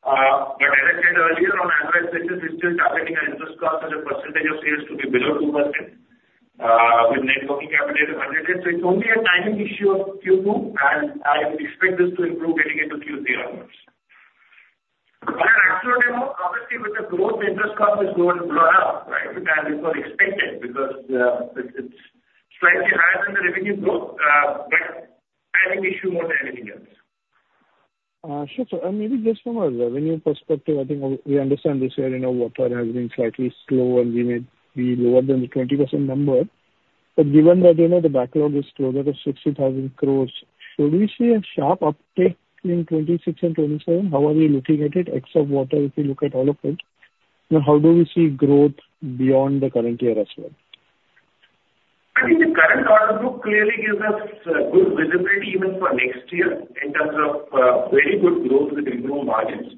But as I said earlier, on an annual basis, we're still targeting our interest cost as a percentage of sales to be below 2%, with net working capital unlimited. So it's only a timing issue of Q2, and I would expect this to improve getting into Q3 onwards. But absolutely, no, obviously, with the growth, the interest cost is going to blow up, right, than before expected, because it's slightly higher than the revenue growth, but timing issue more than anything else. Sure, sir. And maybe just from a revenue perspective, I think we understand this year, you know, water has been slightly slow and we may be lower than the 20% number. But given that, you know, the backlog is closer to 60,000 crores, should we see a sharp uptake in 2026 and 2027? How are we looking at it, except water, if you look at all of it? You know, how do we see growth beyond the current year as well? I think the current order book clearly gives us good visibility even for next year in terms of very good growth with improved margins.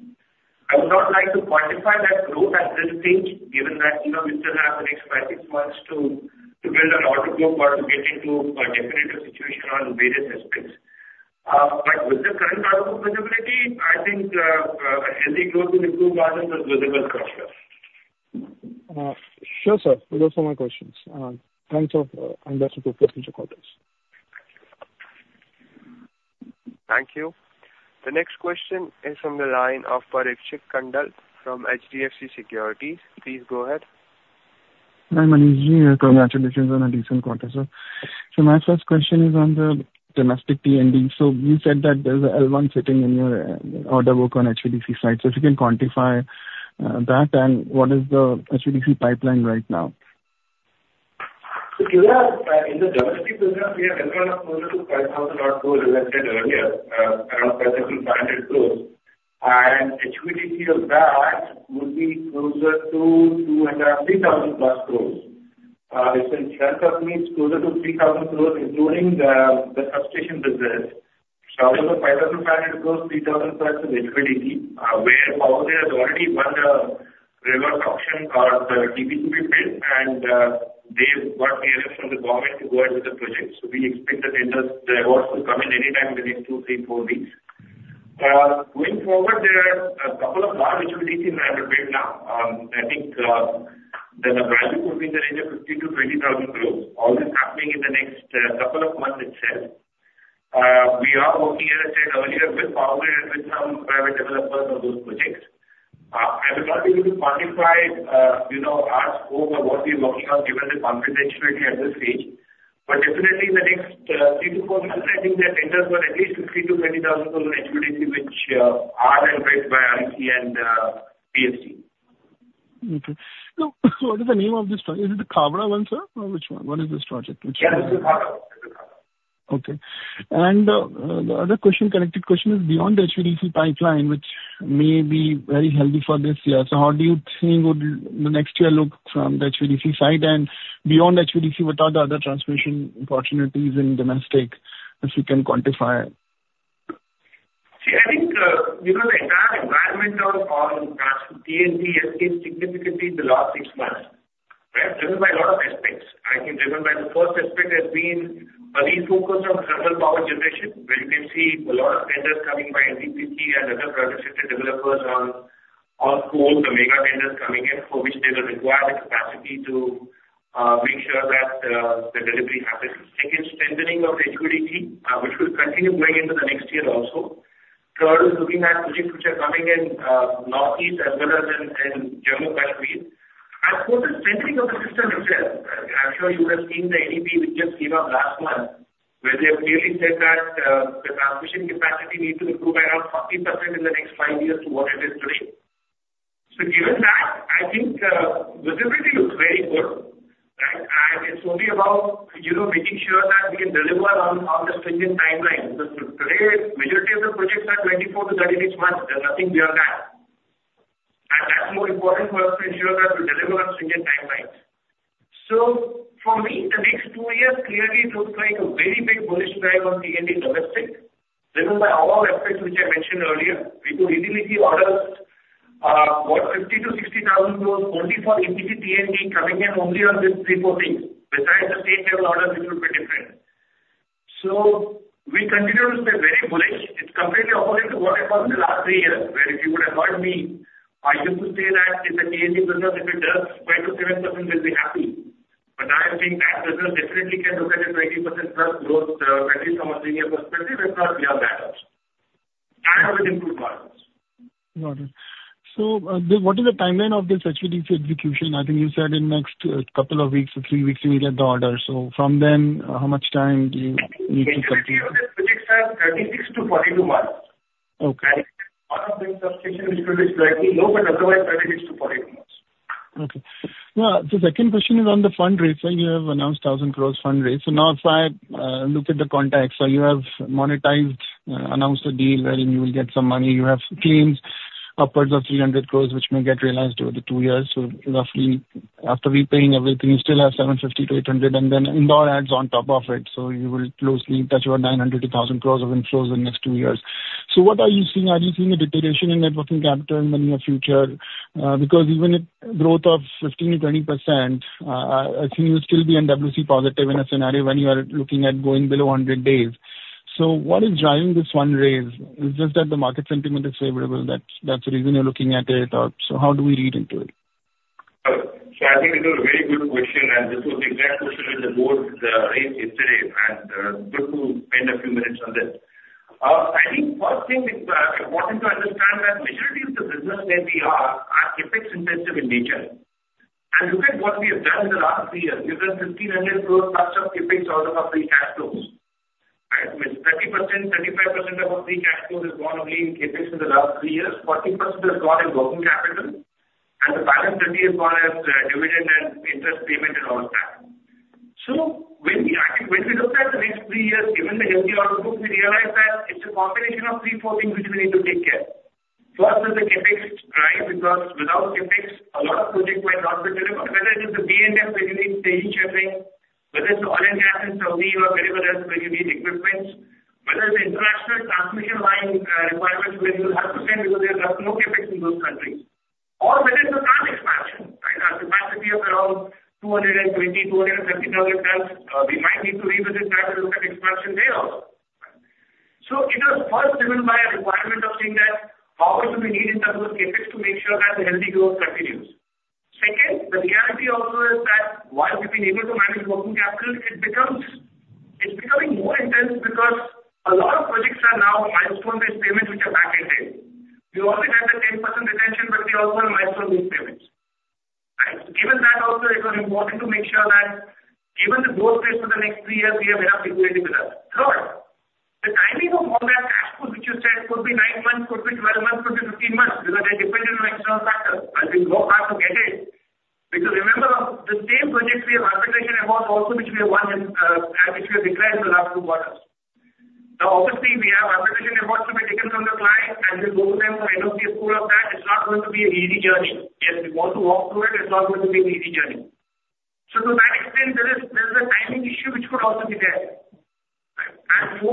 I would not like to quantify that growth at this stage, given that, you know, we still have the next five, six months to build an order book or to get into a definitive situation on various aspects, but with the current order book visibility, I think a healthy growth in improved margins is visible from here. Sure, sir. Those are my questions. Thanks a lot, and best of luck with your quarters. Thank you. The next question is from the line of Parikshit Kandpal from HDFC Securities. Please go ahead. Hi, Manish, congratulations on a decent quarter, sir. So my first question is on the domestic T&D. So you said that there's an L1 sitting in your order book on HVDC site. So if you can quantify that, and what is the HVDC pipeline right now? We are in the domestic business. We are entering closer to INR 5,000-odd crores, as I said earlier, around 5,500 crores. HVDC of that would be closer to 203,000-plus crores. It, in general terms, means closer to 3,000 crores, including the substation business. Out of the INR 5,500 crores, 3,000-plus is HVDC, where Power Grid has already won the reverse auction or the T&D to be built, and they've got clearance from the government to go ahead with the project. We expect the tenders, the awards, to come in any time within 2, 3, 4 weeks. Going forward, there are a couple of large HVDC in the pipeline now. I think the value would be in the range of 50-20,000 crores, all this happening in the next couple of months itself. We are working, as I said earlier, with Power Grid, with some private developers on those projects. I will not be able to quantify, you know, our scope of what we're working on given the confidentiality at this stage. But definitely in the next three to four months, I think there are tenders for at least 50-20,000 crore HVDC, which are led by REC and PFC. Okay, so what is the name of this project? Is it the Khavda one, sir, or which one? What is this project? Yeah, it's the Khavda. Okay. And, the other question, connected question is beyond the HVDC pipeline, which may be very healthy for this year. So how do you think would the next year look from the HVDC side? And beyond HVDC, what are the other transmission opportunities in domestic, if you can quantify? See, I think, you know, the entire environment on T&D has changed significantly in the last six months, right? Driven by a lot of aspects. I think driven by the first aspect has been a refocus on renewable power generation, where you can see a lot of tenders coming by NTPC and other private sector developers on the whole, the mega tenders coming in, for which they will require the capacity to make sure that the delivery happens. Second, strengthening of HVDC, which will continue going into the next year also. Third, is looking at projects which are coming in, Northeast as well as in Jammu & Kashmir. And fourth, is strengthening of the system itself. I'm sure you must have seen the NEP, which just came out last month, where they have clearly said that, the transmission capacity needs to improve around 30% in the next five years to what it is today. So given that, I think, visibility looks very good, right? And it's only about, you know, making sure that we can deliver on, on the stringent timelines. Because today, majority of the projects are 24-36 months. There's nothing beyond that. And that's more important for us to ensure that we deliver on stringent timelines. So for me, the next two years clearly looks like a very big bullish drive on T&D domestic, driven by all aspects which I mentioned earlier, due to utility orders, worth 50-60 thousand crores only for PGCIL T&D coming in only on this three, four things. Besides the state level orders, it would be different, so we continue to stay very bullish. It's completely opposite to what I found in the last three years, where if you would have heard me, I used to say that in the T&D business, if it does 5-7%, we'll be happy, but now I think that business definitely can look at a 20% plus growth, at least from a three-year perspective, if not beyond that, and with improved margins. Got it. So, then what is the timeline of this HVDC execution? I think you said in next couple of weeks or three weeks, you will get the order. So from then, how much time do you need to- HVDC orders, which are 36-42 months. Okay. One of the substation, which will be slightly low, but otherwise, 36-42 months. Okay. Now, the second question is on the fundraise. So you have announced 1,000 crores fundraise. So now if I look at the context, so you have monetized, announced a deal wherein you will get some money, you have claims upwards of 300 crores, which may get realized over the two years. So roughly, after repaying everything, you still have 750-800, and then Indore adds on top of it. So you will closely touch around 900-1,000 crores of inflows in the next two years. So what are you seeing? Are you seeing a deterioration in net working capital in the near future? Because even if growth of 15%-20%, I think you'll still be NWC positive in a scenario when you are looking at going below 100 days. So what is driving this one raise? Is it just that the market sentiment is favorable, that's, that's the reason you're looking at it, or so? How do we read into it? So I think it's a very good question, and this was the exact question that the board raised yesterday, and good to spend a few minutes on this. I think first thing it's important to understand that majority of the business where we are are CapEx intensive in nature. And look at what we have done in the last three years. We've done 1,500 crores plus of CapEx out of our free cash flows, right? Means 30%-35% of our free cash flows has gone only in CapEx in the last three years. 40% has gone in working capital, and the balance 30% has gone as dividend and interest payment and all that. I think when we look at the last three years, given the healthy order book, we realize that it's a combination of three, four things which we need to take care. First is the CapEx, right? Because without CapEx, a lot of projects might not be deliverable. Whether it is the B&F, where you need staging sheltering, whether it's oil and gas in Saudi or wherever else, where you need equipment, whether it's international transmission line requirements, where you have to spend because there is no CapEx in those countries, or whether it's a plant expansion, right? Our capacity of around 220-250 thousand tons, we might need to revisit that and look at expansion there also. So it was first driven by a requirement of saying that how much do we need in terms of CapEx to make sure that the healthy growth continues? Second, the reality also is that while we've been able to manage working capital, it becomes- it's becoming more intense because a lot of projects are now milestone-based payments, which are back ended. We always have the 10% retention, but we also have milestone-based payments, right? Given that also, it was important to make sure that given the growth rates for the next three years, we have enough liquidity with us. Third, the timing of all that cash flow, which you said, could be nine months, could be 12 months, could be 15 months, because they're dependent on external factors, and we work hard to get it. Because remember, the same projects we have arbitration awards also, which we have won in, and which we have declared in the last two quarters. Now, obviously, we have arbitration awards to be taken from the client, and we go through them to finally get full of that. It's not going to be an easy journey. Yes, we want to walk through it, it's not going to be an easy journey. So to that extent, there is a timing issue which could also be there, right? And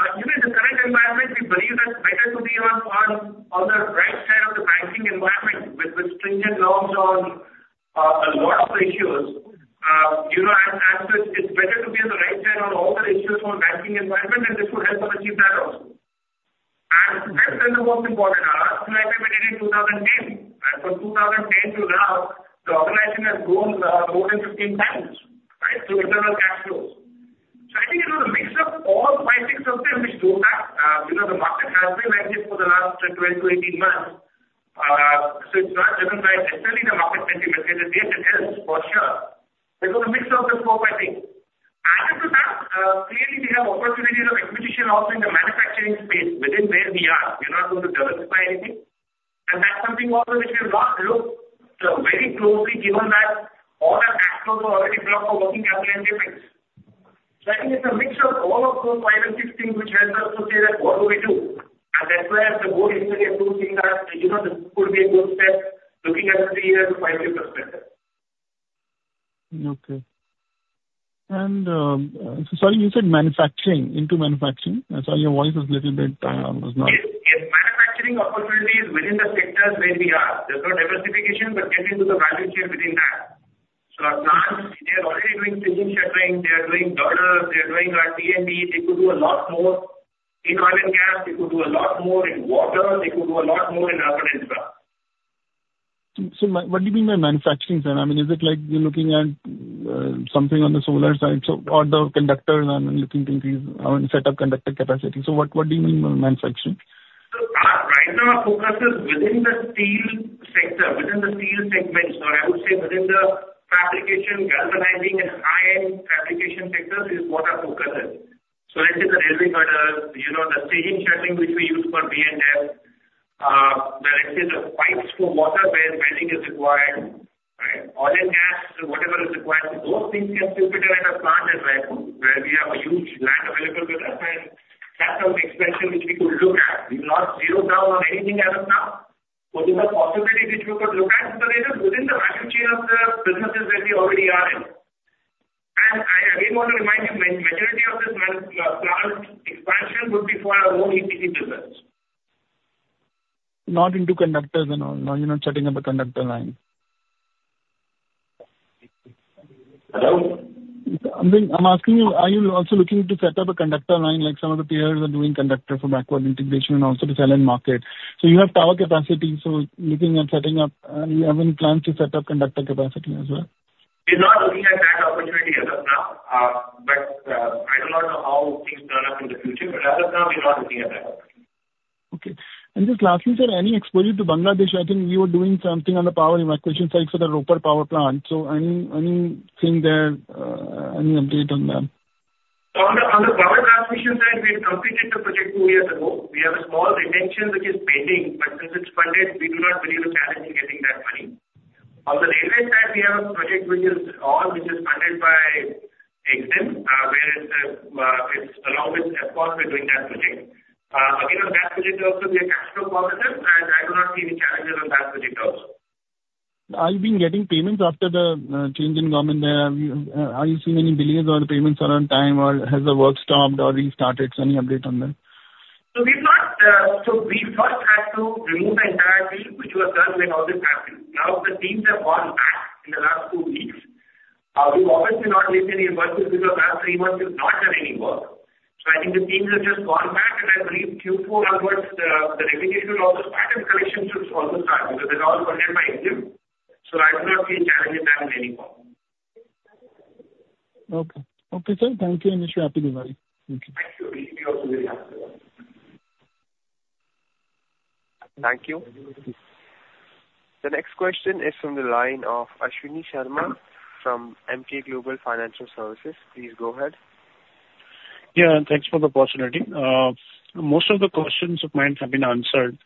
fourth, given the current environment, we believe that it's better to be on the right side of the banking environment with stringent norms on a lot of ratios. You know, as it's better to be on the right side on all the issues on banking environment, and this will help us achieve that also. Last, and the most important, our last activity in 2010, right? From 2010 till now, the organization has grown more than fifteen times, right? So internal cash flows. So I think, you know, the mix of all five, six of them, which go back, you know, the market has been like this for the last 12-18 months. So it's not driven by necessarily the market sentiment, but yes, it is, for sure. It is a mix of these four, five things. Added to that, clearly, we have opportunities of acquisition also in the manufacturing space within where we are. We're not going to diversify anything, and that's something also which we have not looked very closely, given that all our cash flows are already blocked for working capital and CapEx. So I think it's a mix of all of those five or six things which helps us to say that what do we do? And that's where the board historically has also seen that, you know, this could be a good step, looking at three years of 5%-10%. Okay. And, sorry, you said manufacturing, into manufacturing? I'm sorry, your voice is little bit, was not- Yes, yes. Manufacturing opportunities within the sectors where we are. There's no diversification, but getting to the value chain within that. So our plants, they are already doing staging sheltering, they are doing girders, they are doing T&D. They could do a lot more in oil and gas. They could do a lot more in water. They could do a lot more in infrastructure. So what do you mean by manufacturing, sir? I mean, is it like you're looking at something on the solar side, so or the conductors and looking to increase, I mean, set up conductor capacity? So what do you mean by manufacturing? So, right now, our focus is within the steel sector, within the steel segment. So I would say within the fabrication, galvanizing, and high-end fabrication sectors is what our focus is. So let's say the railway girders, you know, the staging sheltering, which we use for BNMF, let's say the pipes for water, where welding is required, right? Oil and gas, so whatever is required. So those things can still fit in our plant at Raipur, where we have a huge land available with us and capital expenditure which we could look at. We've not zeroed down on anything as of now. So these are possibilities which we could look at, but it is within the value chain of the businesses where we already are in. And I again want to remind you, majority of this plant expansion would be for our own EP business. Not into conductors and all? No, you're not setting up a conductor line. Hello? I'm asking you, are you also looking to set up a conductor line, like some of the peers are doing conductor for backward integration and also to sell in market? So you have tower capacity, so looking at setting up. You have any plans to set up conductor capacity as well? We're not looking at that opportunity as of now, but I don't know how things turn up in the future, but as of now, we're not looking at that opportunity. Okay. Just lastly, sir, any exposure to Bangladesh? I think you were doing something on the power evacuation side for the Rooppur Power Plant. Anything there, any update on that? On the power transmission side, we had completed the project two years ago. We have a small retention, which is pending, but since it's funded, we do not believe the challenge in getting that money. We have a project which is funded by EXIM, where it's along with Afcons, we're doing that project. Again, on that project also, we are capital positive, and I do not see any challenges on that project also. Are you been getting payments after the change in government? Are you seeing any delays or the payments are on time, or has the work stopped or restarted? So any update on that? So we first had to remove the entire team, which was done when all this happened. Now, the teams have gone back in the last two weeks. We obviously not placed any invoices because last three months we've not done any work. I think the teams have just gone back, and I believe Q4 onwards, the recognition of the payment collection should also start because they're all funded by EXIM. I do not see a challenge in that in any form. Okay. Okay, sir. Thank you, and wish you happy Diwali. Thank you. Thank you. You also very happy Diwali. Thank you. The next question is from the line of Ashwani Sharma from Emkay Global Financial Services. Please go ahead. Yeah, and thanks for the opportunity. Most of the questions of mine have been answered.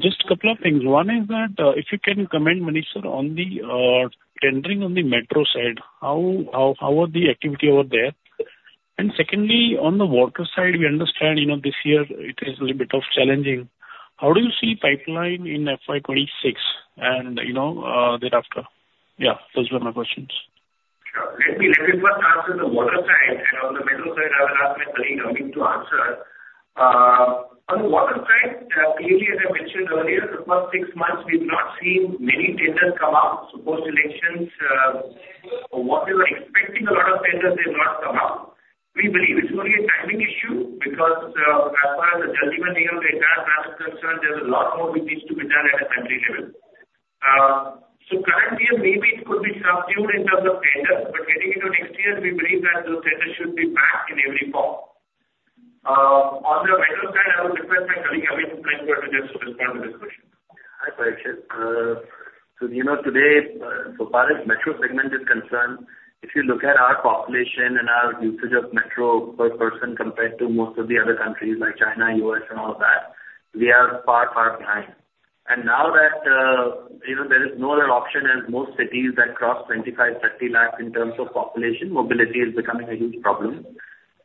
Just a couple of things. One is that, if you can comment, Manish, sir, on the tendering on the metro side, how are the activity over there? And secondly, on the water side, we understand, you know, this year it is a little bit of challenging. How do you see pipeline in FY twenty-six and, you know, thereafter? Yeah, those were my questions. Sure. Let me first answer the water side, and on the metro side, I will ask my colleague, Amit, to answer. On the water side, clearly, as I mentioned earlier, the first six months we've not seen many tenders come up. So post-elections, what we were expecting a lot of tenders, they've not come out. We believe it's only a timing issue, because, as far as the Jal Jeevan Mission of the entire country is concerned, there's a lot more which needs to be done at a country level. So current year, maybe it could be subdued in terms of tenders, but getting into next year, we believe that those tenders should be back in every form. On the metro side, I would request my colleague, Amit, to perhaps just respond to this question. Hi, Prashant. So, you know, today, so far as metro segment is concerned, if you look at our population and our usage of metro per person compared to most of the other countries like China, U.S., and all that, we are far, far behind. And now that, you know, there is no other option as most cities that cross 25, 30 lakhs in terms of population, mobility is becoming a huge problem.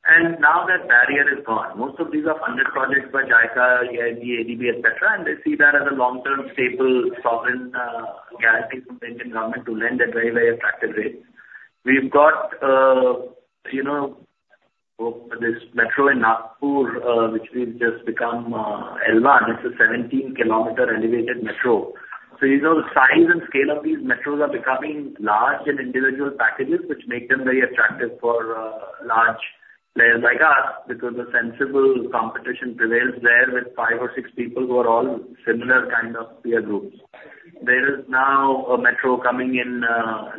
And now that barrier is gone. Most of these are funded projects by JICA, EIB, ADB, et cetera, and they see that as a long-term, stable, sovereign, guarantee from the Indian government to lend at very, very attractive rates. We've got, you know, this metro in Nagpur, which we've just become L1. It's a 17-kilometer elevated metro. So you know, the size and scale of these metros are becoming large and individual packages, which make them very attractive for large players like us, because a sensible competition prevails there with five or six people who are all similar kind of peer groups. There is now a metro coming in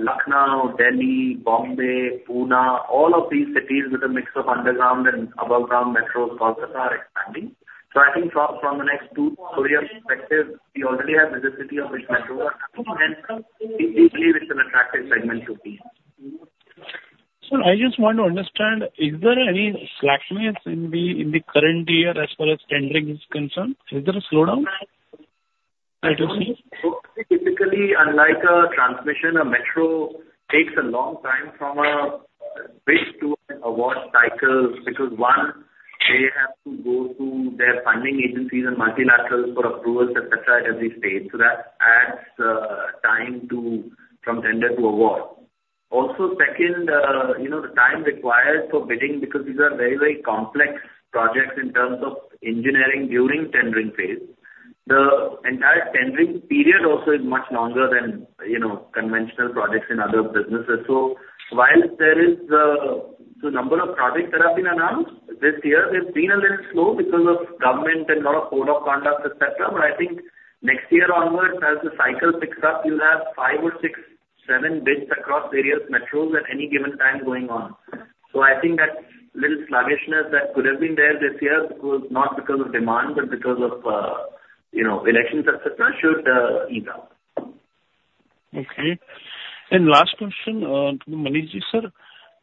Lucknow, Delhi, Bombay, Pune. All of these cities with a mix of underground and above ground metros projects are expanding. So I think from the next two, three years perspective, we already have visibility of which metros are happening, and we believe it's an attractive segment to be in. Sir, I just want to understand, is there any slackness in the current year as far as tendering is concerned? Is there a slowdown that you see? Typically, unlike a transmission, a metro takes a long time from a bid to an award cycle, because, one, they have to go through their funding agencies and multilaterals for approvals, et cetera, at every stage. So that adds time to, from tender to award. Also, second, you know, the time required for bidding, because these are very, very complex projects in terms of engineering during tendering phase. The entire tendering period also is much longer than, you know, conventional projects in other businesses. So while there is the number of projects that have been announced this year, they've been a little slow because of government and lot of code of conduct, et cetera. But I think next year onwards, as the cycle picks up, you'll have five or six, seven bids across various metros at any given time going on. So I think that little sluggishness that could have been there this year was not because of demand, but because of, you know, elections, et cetera, should even out. Okay. And last question to Manish-ji, sir.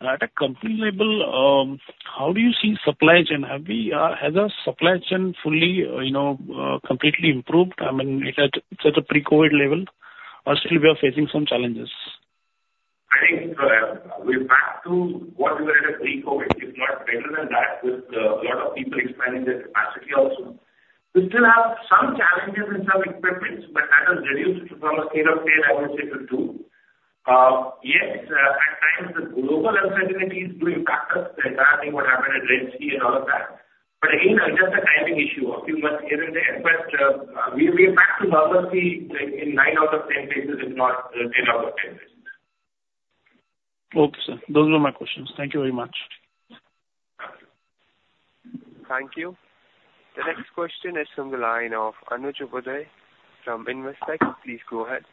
At a company level, how do you see supply chain? Has our supply chain fully, you know, completely improved? I mean, is it at a pre-COVID level, or still we are facing some challenges? I think, we're back to what we were at a pre-COVID, if not better than that, with a lot of people expanding their capacity also. We still have some challenges in some equipment, but as a reduced from a state of scale, I would say it will do. Yes, at times the global uncertainties do impact us, the entire thing, what happened at Red Sea and all of that, but again, just a timing issue of few months here and there. We are back to normalcy, like, in nine out of 10 cases, if not 10 out of 10 cases. Okay, sir. Those were my questions. Thank you very much. Thank you. The next question is from the line of Anuj Upadhyay from Investec. Please go ahead.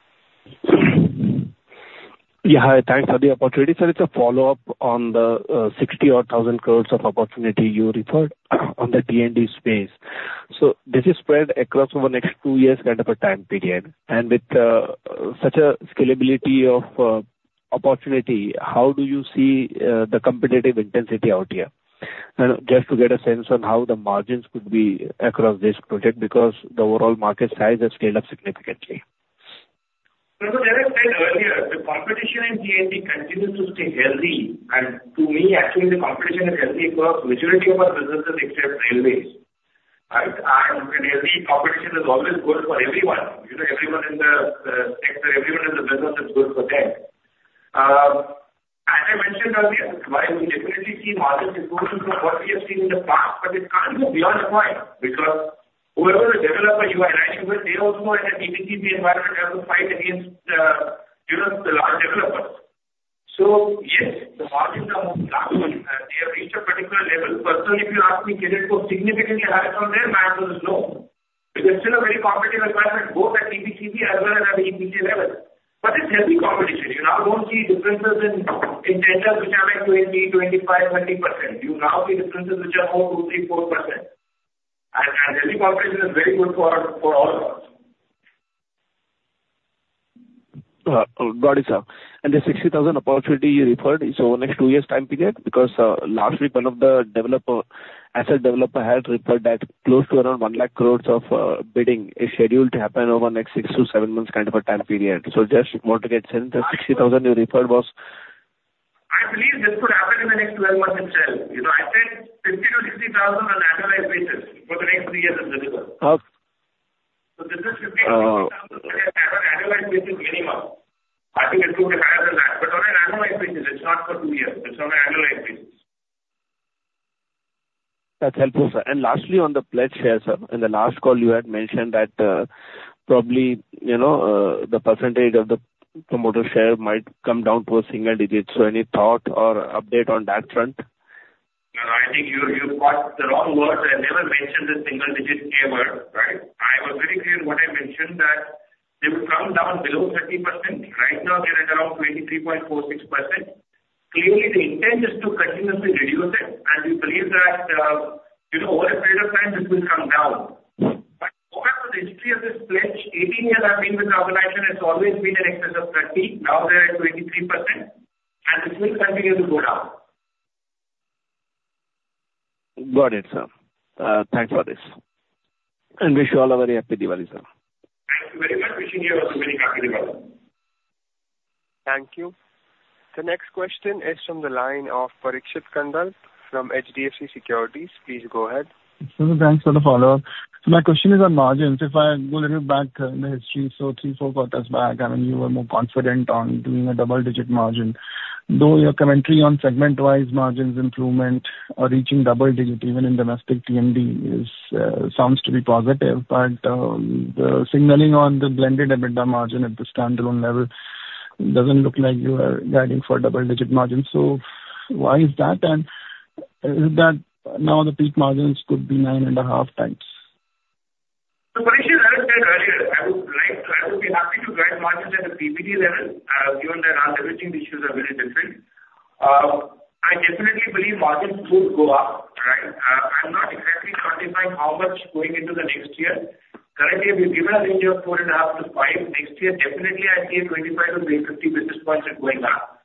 Yeah. Hi, thanks for the opportunity. Sir, it's a follow-up on the 60,000 crores of opportunity you referred to in the T&D space. So this is spread across over the next two years, kind of a time period, and with such a scalability of opportunity, how do you see the competitive intensity out here? And just to get a sense on how the margins could be across this project, because the overall market size has scaled up significantly. So as I said earlier, the competition in T&D continues to stay healthy, and to me, actually, the competition is healthy for majority of our businesses except railways, right? And healthy competition is always good for everyone. You know, everyone in the sector, everyone in the business is good for them. As I mentioned earlier, while we've definitely seen margins improve from what we have seen in the past, but it can't go beyond a point, because whoever the developer you are interacting with, they also in a T&D environment, have to fight against, you know, the large developers. So yes, the margins in the last one, they have reached a particular level. Personally, if you ask me, can it go significantly higher from there? My answer is no. Because it's still a very competitive environment, both at T&D as well as at EPC level. But it's healthy competition. You now don't see differences in tenders which are like 20%, 25%, 30%. You now see differences which are 1%, 2%, 3%, 4%. And healthy competition is very good for all of us. Got it, sir. And the 60,000 opportunity you referred is over the next two years time period? Because, last week, one of the developer, asset developer, had referred that close to around one lakh crores of, bidding is scheduled to happen over the next 6-7 months kind of a time period. So just want to get a sense, the 60,000 you referred was? I believe this could happen in the next 12 months itself. You know, I said 50-60 thousand on annualized basis for the next three years of business. Okay. This is 50-60 thousand, on an annualized basis minimum. I think it could be higher than that, but on an annualized basis, it's not for two years, it's on an annualized basis. That's helpful, sir. And lastly, on the pledge share, sir. In the last call, you had mentioned that, probably, you know, the percentage of the promoter share might come down to a single digits. So any thought or update on that front? No, I think you've got the wrong word. I never mentioned the single digit ever, right? I was very clear in what I mentioned that they would come down below 30%. Right now, they're at around 23.46%. Clearly, the intent is to continuously reduce it, and we believe that, you know, over a period of time, this will come down. But over the history of this pledge, 18 years I've been with Kalpataru, it's always been in excess of 30, now they're at 23%, and this will continue to go down. Got it, sir. Thanks for this. And wish you all a very happy Diwali, sir. Thank you very much. Wishing you also a very happy Diwali. Thank you. The next question is from the line of Parikshit Kandpal from HDFC Securities. Please go ahead. Thanks for the follow-up. My question is on margins. If I go a little back in the history, so three, four quarters back, I mean, you were more confident on doing a double-digit margin. Though your commentary on segment-wise margins improvement are reaching double-digit, even in domestic T&D, sounds to be positive, but the signaling on the blended EBITDA margin at the standalone level doesn't look like you are guiding for double-digit margin. Why is that? And is that now the peak margins could be nine and a half times? Parikshit, as I said earlier, I would be happy to guide margins at the EBITDA level, given that our EBITDA issues are very different. I definitely believe margins would go up, right? I'm not exactly quantifying how much going into the next year. Currently, we've given a range of 4.5 to 5. Next year, definitely I'd say 25 to 50 basis points are going up.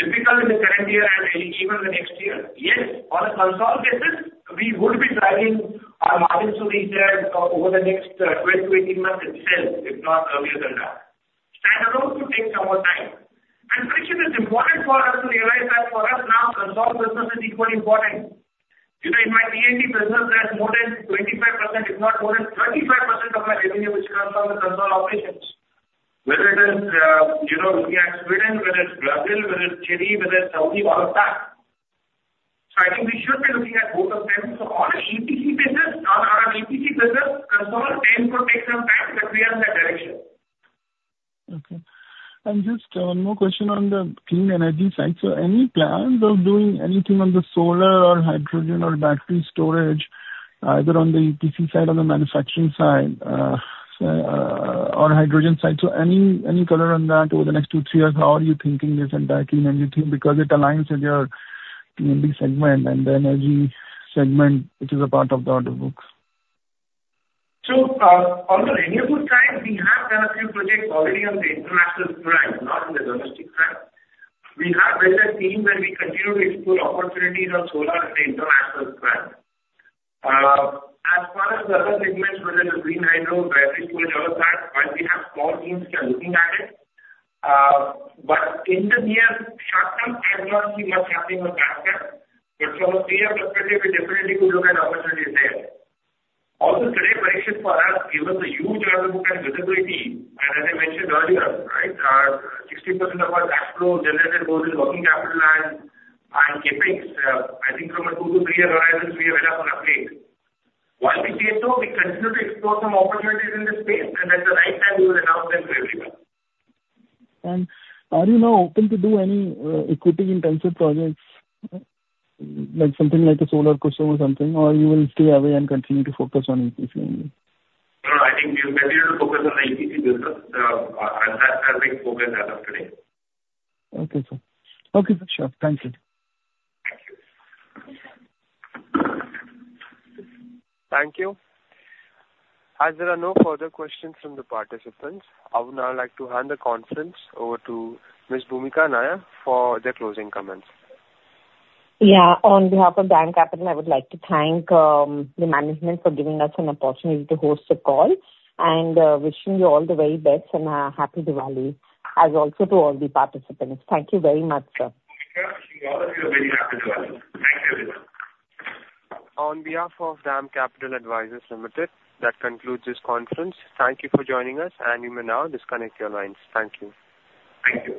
Difficult in the current year and even the next year. Yes, on a consolidated, we would be driving our margins to reach there over the next 12 to 18 months itself, if not earlier than that. Standalone could take some more time. And Parikshit, it's important for us to realize that for us now, consolidated business is equally important. You know, in my T&D business, there's more than 25%, if not more than 35% of our revenue, which comes from the consolidated operations. Whether it is, you know, Sweden, whether it's Brazil, whether it's Chile, whether it's Saudi, all of that. So I think we should be looking at both of them. So on an EPC basis, on our EPC business, consolidated will take some time, but we are in that direction. Okay. And just one more question on the clean energy side. So any plans of doing anything on the solar or hydrogen or battery storage, either on the EPC side or the manufacturing side, on hydrogen side? So any color on that over the next two, three years, how are you thinking this and that clean energy thing? Because it aligns with your T&D segment and the energy segment, which is a part of the order books. On the renewable side, we have done a few projects already on the international front, not on the domestic front. We have built a team, and we continue to explore opportunities on solar on the international front. As far as the other segments, whether it is green hydro, battery storage, all of that, well, we have small teams which are looking at it. But in the near short term, I don't see much happening on that front. But from a three-year perspective, we definitely could look at opportunities there. Also, today, Parikshit, for us, given the huge order book and visibility, and as I mentioned earlier, right, 60% of our backlog generated both in working capital and CapEx, I think from a two- to three-year horizon, we are well up on our feet. While we get so, we continue to explore some opportunities in this space, and at the right time, we will announce them to everyone. Are you now open to do any equity intensive projects? Like something like a solar project or something, or you will stay away and continue to focus on EPC only? No, I think we will continue to focus on the EPC business, and that's our main focus as of today. Okay, sir. Okay, for sure. Thank you. Thank you. Thank you. As there are no further questions from the participants, I would now like to hand the conference over to Ms. Bhumika Nair for the closing comments. Yeah, on behalf of DAM Capital, I would like to thank the management for giving us an opportunity to host the call, and wishing you all the very best and happy Diwali, as also to all the participants. Thank you very much, sir. Thank you. Wishing you all a very happy Diwali. Thank you, everyone. On behalf of DAM Capital Advisors Limited, that concludes this conference. Thank you for joining us, and you may now disconnect your lines. Thank you. Thank you.